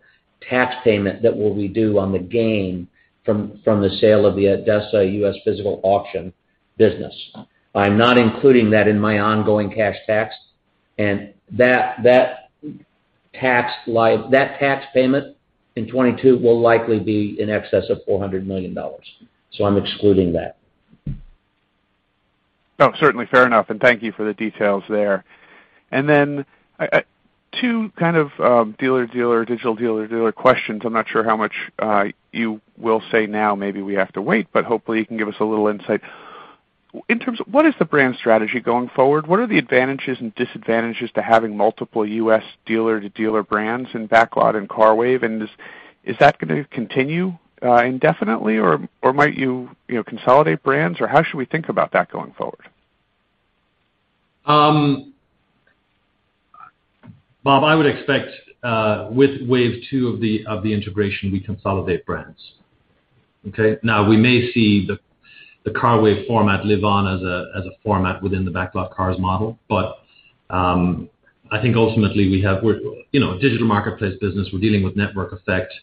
tax payment that will be due on the gain from the sale of the ADESA U.S. physical auction business. I'm not including that in my ongoing cash tax, and that tax payment in 2022 will likely be in excess of $400 million. I'm excluding that. No, certainly fair enough, and thank you for the details there. Two kind of dealer-to-dealer, digital dealer-to-dealer questions. I'm not sure how much you will say now, maybe we have to wait, but hopefully you can give us a little insight. In terms of what is the brand strategy going forward? What are the advantages and disadvantages to having multiple U.S. dealer-to-dealer brands in BacklotCars and CARWAVE? Is that gonna continue indefinitely or might you know, consolidate brands? How should we think about that going forward? Bob, I would expect with wave two of the integration, we consolidate brands. Okay? Now, we may see the CARWAVE format live on as a format within the BacklotCars model. I think ultimately we're, you know, a digital marketplace business, we're dealing with network effect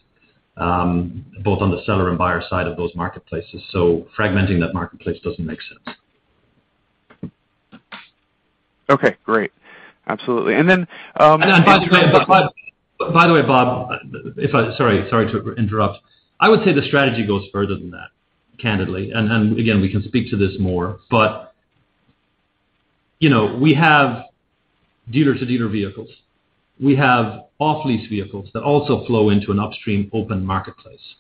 both on the seller and buyer side of those marketplaces, so fragmenting that marketplace doesn't make sense. Okay, great. Absolutely. By the way, Bob. Sorry to interrupt. I would say the strategy goes further than that, candidly. Again, we can speak to this more. You know, we have dealer-to-dealer vehicles. We have off-lease vehicles that also flow into an upstream open marketplace.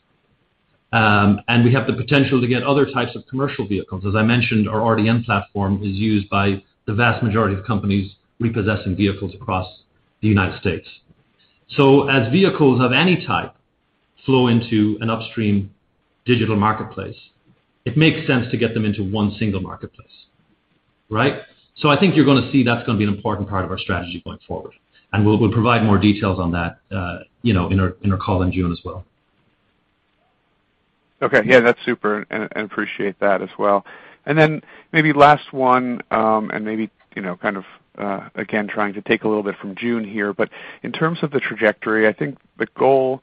We have the potential to get other types of commercial vehicles. As I mentioned, our RDN platform is used by the vast majority of companies repossessing vehicles across the U.S. As vehicles of any type flow into an upstream digital marketplace, it makes sense to get them into one single marketplace, right? I think you're gonna see that's gonna be an important part of our strategy going forward, and we'll provide more details on that, you know, in our call in June as well. Okay. Yeah, that's super, and appreciate that as well. Then maybe last one, and maybe, you know, kind of, again, trying to take a little bit from June here, but in terms of the trajectory, I think the goal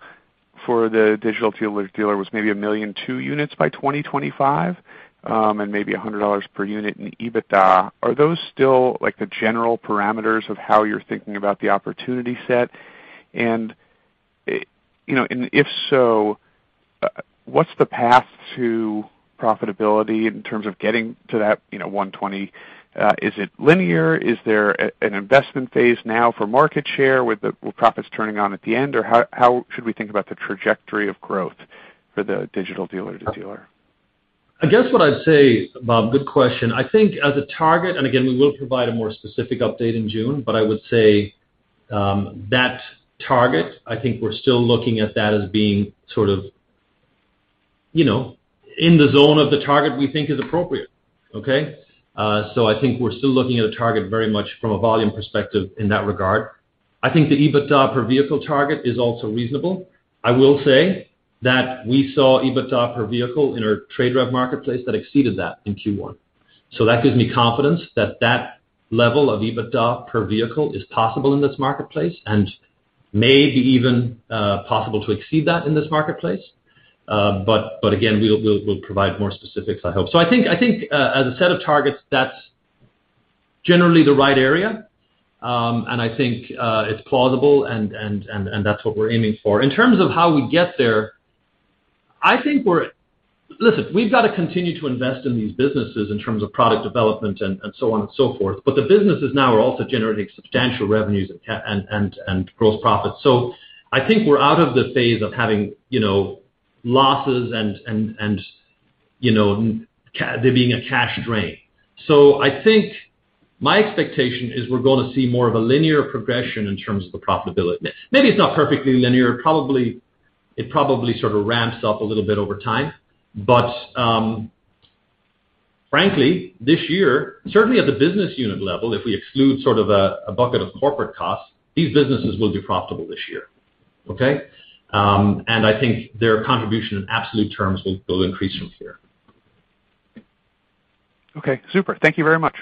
for the digital dealer-to-dealer was maybe 1.2 million units by 2025, and maybe $100 per unit in EBITDA. Are those still, like, the general parameters of how you're thinking about the opportunity set? You know, if so, what's the path to profitability in terms of getting to that, you know, $120? Is it linear? Is there an investment phase now for market share with the profits turning on at the end? Or how should we think about the trajectory of growth for the digital dealer-to-dealer? I guess what I'd say, Bob, good question. I think as a target, and again, we will provide a more specific update in June, but I would say, that target, I think we're still looking at that as being sort of, you know, in the zone of the target we think is appropriate. Okay? I think we're still looking at a target very much from a volume perspective in that regard. I think the EBITDA per vehicle target is also reasonable. I will say that we saw EBITDA per vehicle in our TradeRev marketplace that exceeded that in Q1. That gives me confidence that that level of EBITDA per vehicle is possible in this marketplace and may be even possible to exceed that in this marketplace. Again, we'll provide more specifics, I hope. I think as a set of targets, that's generally the right area. I think it's plausible and that's what we're aiming for. In terms of how we get there, I think we're... Listen, we've got to continue to invest in these businesses in terms of product development and so on and so forth, but the businesses now are also generating substantial revenues and gross profits. I think we're out of the phase of having, you know, losses and, you know, there being a cash drain. I think my expectation is we're gonna see more of a linear progression in terms of the profitability. Maybe it's not perfectly linear. Probably, it sort of ramps up a little bit over time. Frankly, this year, certainly at the business unit level, if we exclude sort of a bucket of corporate costs, these businesses will be profitable this year. Okay. I think their contribution in absolute terms will increase from here. Okay, super. Thank you very much.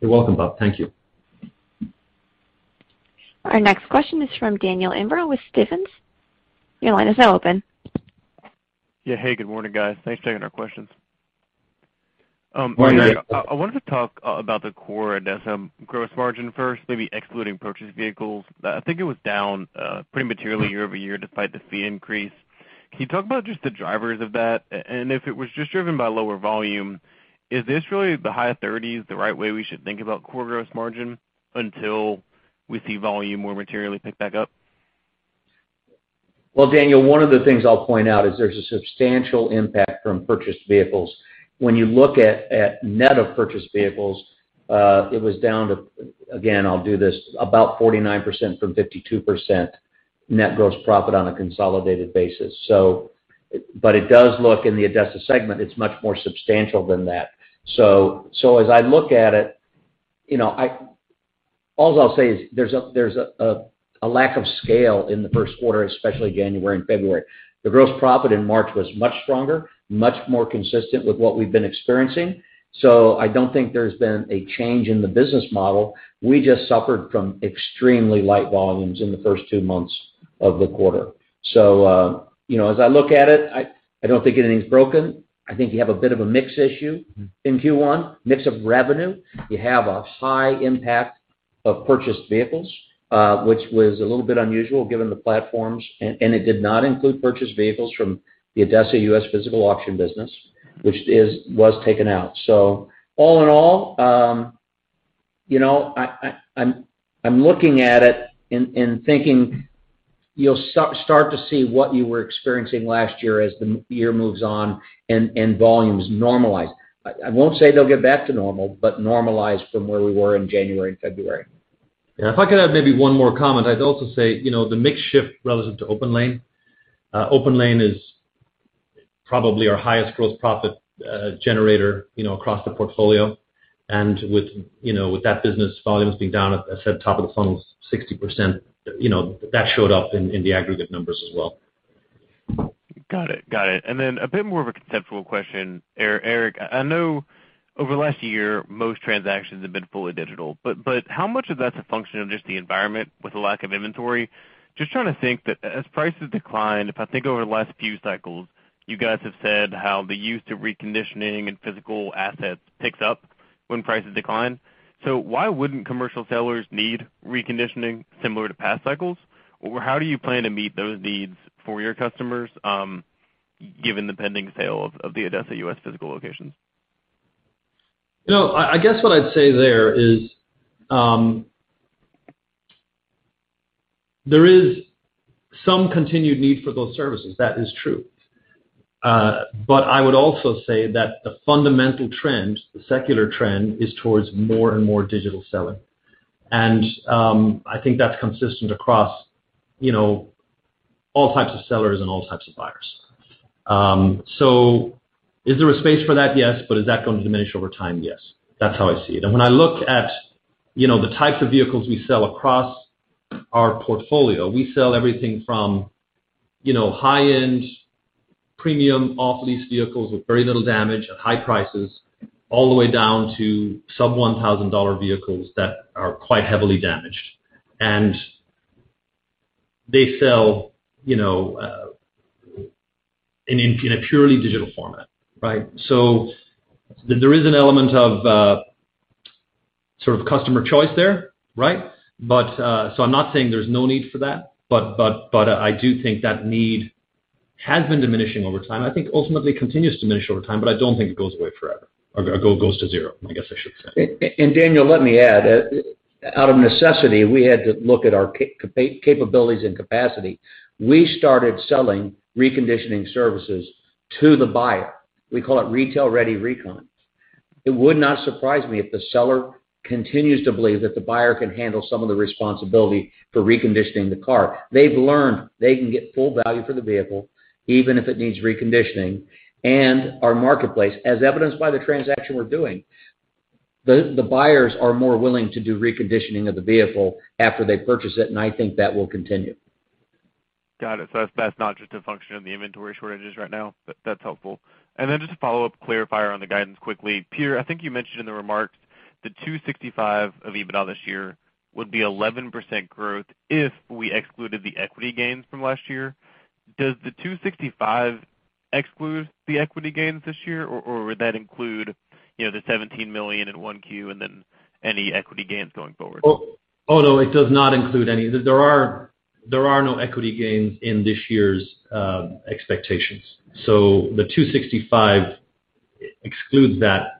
You're welcome, Bob. Thank you. Our next question is from Daniel Imbro with Stephens. Your line is now open. Hey, good morning, guys. Thanks for taking our questions. Morning. I wanted to talk about the core ADESA gross margin first, maybe excluding purchased vehicles. I think it was down pretty materially year-over-year despite the fee increase. Can you talk about just the drivers of that? And if it was just driven by lower volume, is this really the high 30s the right way we should think about core gross margin until we see volume more materially pick back up? Well, Daniel, one of the things I'll point out is there's a substantial impact from purchased vehicles. When you look at net of purchased vehicles, it was down to, again, I'll do this, about 49% from 52% net gross profit on a consolidated basis. But it does look in the ADESA segment, it's much more substantial than that. As I look at it, you know, all I'll say is there's a lack of scale in the first quarter, especially January and February. The gross profit in March was much stronger, much more consistent with what we've been experiencing. I don't think there's been a change in the business model. We just suffered from extremely light volumes in the first two months of the quarter. You know, as I look at it, I don't think anything's broken. I think you have a bit of a mix issue in Q1, mix of revenue. You have a high impact of purchased vehicles, which was a little bit unusual given the platforms, and it did not include purchased vehicles from the ADESA U.S. Physical auction business, which was taken out. All in all, you know, I'm looking at it and thinking you'll start to see what you were experiencing last year as the year moves on and volumes normalize. I won't say they'll get back to normal, but normalize from where we were in January and February. Yeah. If I could add maybe one more comment. I'd also say, you know, the mix shift relative to OPENLANE. OPENLANE is probably our highest gross profit generator, you know, across the portfolio. With, you know, with that business volumes being down, as I said, top of the funnel was 60%, you know, that showed up in the aggregate numbers as well. Got it. Then a bit more of a conceptual question. Eric, I know over the last year, most transactions have been fully digital, but how much of that's a function of just the environment with a lack of inventory? Just trying to think that as prices decline. If I think over the last few cycles, you guys have said how the use of reconditioning and physical auctions picks up when prices decline. Why wouldn't commercial sellers need reconditioning similar to past cycles? Or how do you plan to meet those needs for your customers, given the pending sale of the ADESA U.S. Physical locations? You know, I guess what I'd say there is, there is some continued need for those services. That is true. I would also say that the fundamental trend, the secular trend is towards more and more digital selling. I think that's consistent across, you know, all types of sellers and all types of buyers. Is there a space for that? Yes. Is that gonna diminish over time? Yes. That's how I see it. When I look at, you know, the types of vehicles we sell across our portfolio, we sell everything from, you know, high-end premium off-lease vehicles with very little damage at high prices, all the way down to sub $1,000 vehicles that are quite heavily damaged. They sell, you know, in a purely digital format, right? There is an element of, sort of customer choice there, right? I'm not saying there's no need for that, but I do think that need has been diminishing over time. I think ultimately continues to diminish over time. I don't think it goes away forever or goes to 0, I guess I should say. Daniel, let me add. Out of necessity, we had to look at our capabilities and capacity. We started selling reconditioning services to the buyer. We call it retail-ready recon. It would not surprise me if the seller continues to believe that the buyer can handle some of the responsibility for reconditioning the car. They've learned they can get full value for the vehicle, even if it needs reconditioning. Our marketplace, as evidenced by the transaction we're doing, the buyers are more willing to do reconditioning of the vehicle after they purchase it, and I think that will continue. Got it. That's not just a function of the inventory shortages right now. That's helpful. Just a follow-up clarifier on the guidance quickly. Peter, I think you mentioned in the remarks the $265 of EBITDA this year would be 11% growth if we excluded the equity gains from last year. Does the $265 exclude the equity gains this year, or would that include, you know, the $17 million in 1Q and then any equity gains going forward? No, it does not include any. There are no equity gains in this year's expectations. The $265 excludes that.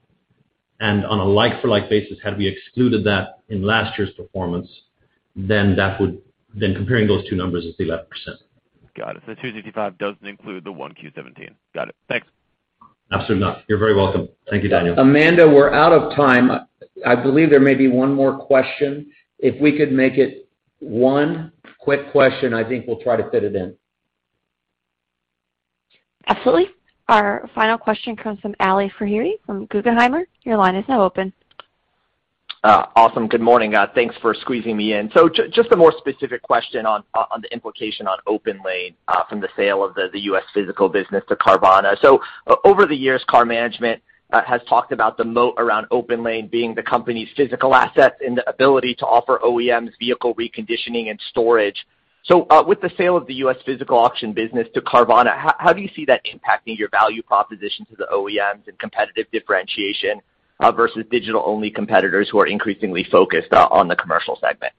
On a like-for-like basis, had we excluded that in last year's performance, comparing those two numbers is 11%. Got it. $265 doesn't include the 1Q 2017. Got it. Thanks. Absolutely not. You're very welcome. Thank you, Daniel. Amanda, we're out of time. I believe there may be one more question. If we could make it one quick question, I think we'll try to fit it in. Absolutely. Our final question comes from Ali Faghri from Guggenheim. Your line is now open. Awesome. Good morning. Thanks for squeezing me in. Just a more specific question on the implication on OPENLANE from the sale of the U.S. physical business to Carvana. Over the years, KAR Management has talked about the moat around OPENLANE being the company's physical assets and the ability to offer OEMs vehicle reconditioning and storage. With the sale of the U.S. physical auction business to Carvana, how do you see that impacting your value proposition to the OEMs and competitive differentiation versus digital-only competitors who are increasingly focused on the commercial segment?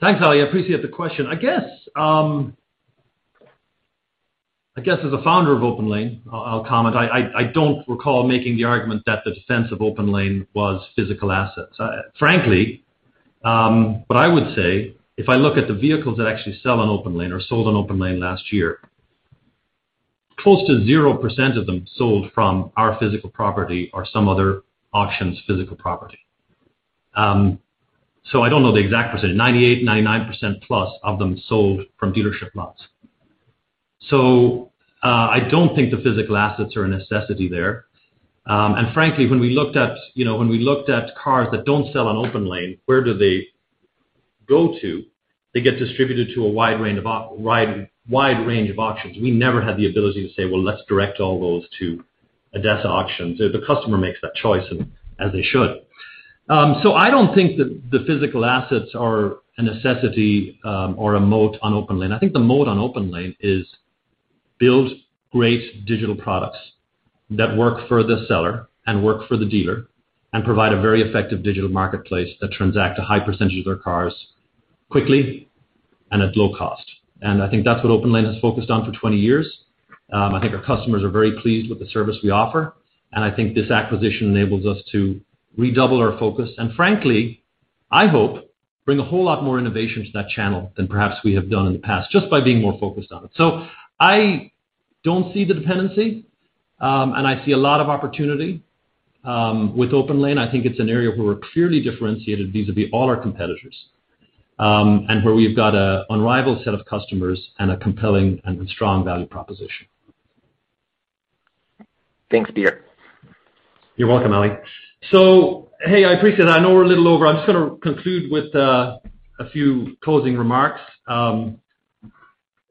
Thanks, Ali. I appreciate the question. I guess as a founder of OPENLANE, I'll comment. I don't recall making the argument that the defense of OPENLANE was physical assets, frankly. What I would say, if I look at the vehicles that actually sell on OPENLANE or sold on OPENLANE last year, close to 0% of them sold from our physical property or some other auction's physical property. I don't know the exact percentage. 98, 99% plus of them sold from dealership lots. I don't think the physical assets are a necessity there. Frankly, when we looked at, you know, when we looked at cars that don't sell on OPENLANE, where do they go to? They get distributed to a wide range of auctions. We never had the ability to say, "Well, let's direct all those to ADESA auctions." The customer makes that choice, and as they should. I don't think that the physical assets are a necessity, or a moat on OPENLANE. I think the moat on OPENLANE is build great digital products that work for the seller and work for the dealer and provide a very effective digital marketplace that transact a high percentage of their cars quickly and at low cost. I think that's what OPENLANE has focused on for 20 years. I think our customers are very pleased with the service we offer, and I think this acquisition enables us to redouble our focus, and frankly, I hope, bring a whole lot more innovation to that channel than perhaps we have done in the past, just by being more focused on it. I don't see the dependency, and I see a lot of opportunity. With OPENLANE, I think it's an area where we're clearly differentiated vis-a-vis all our competitors, and where we've got a unrivaled set of customers and a compelling and strong value proposition. Thanks, Peter. You're welcome, Ali. Hey, I appreciate it. I know we're a little over. I'm just gonna conclude with a few closing remarks.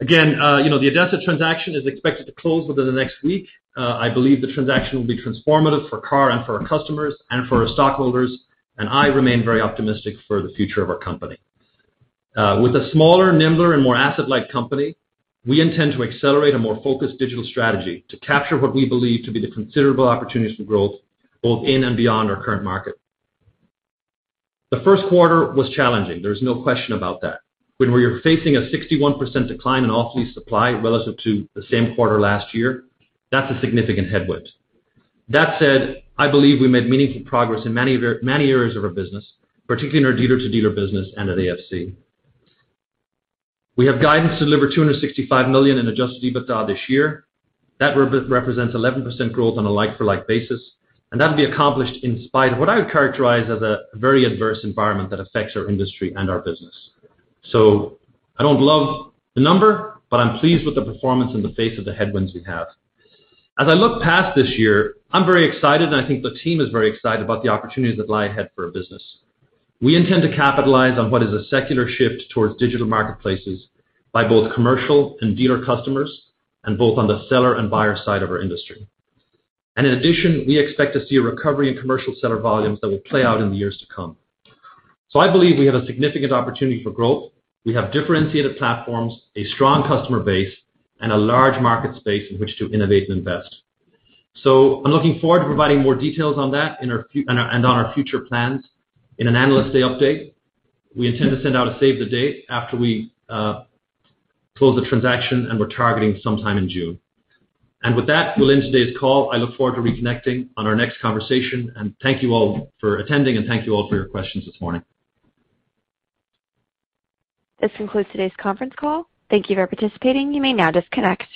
Again, you know, the ADESA transaction is expected to close within the next week. I believe the transaction will be transformative for KAR and for our customers and for our stockholders, and I remain very optimistic for the future of our company. With a smaller, nimbler, and more asset-light company, we intend to accelerate a more focused digital strategy to capture what we believe to be the considerable opportunities for growth, both in and beyond our current market. The first quarter was challenging. There's no question about that. When we were facing a 61% decline in off-lease supply relative to the same quarter last year, that's a significant headwind. That said, I believe we made meaningful progress in many areas of our business, particularly in our dealer-to-dealer business and at AFC. We have guidance to deliver $265 million in Adjusted EBITDA this year. That represents 11% growth on a like-for-like basis, and that'll be accomplished in spite of what I would characterize as a very adverse environment that affects our industry and our business. I don't love the number, but I'm pleased with the performance in the face of the headwinds we have. As I look past this year, I'm very excited, and I think the team is very excited about the opportunities that lie ahead for our business. We intend to capitalize on what is a secular shift towards digital marketplaces by both commercial and dealer customers and both on the seller and buyer side of our industry. In addition, we expect to see a recovery in commercial seller volumes that will play out in the years to come. I believe we have a significant opportunity for growth. We have differentiated platforms, a strong customer base, and a large market space in which to innovate and invest. I'm looking forward to providing more details on that and on our future plans in an analyst day update. We intend to send out a save the date after we close the transaction, and we're targeting sometime in June. With that, we'll end today's call. I look forward to reconnecting on our next conversation, and thank you all for attending, and thank you all for your questions this morning. This concludes today's conference call. Thank you for participating. You may now disconnect.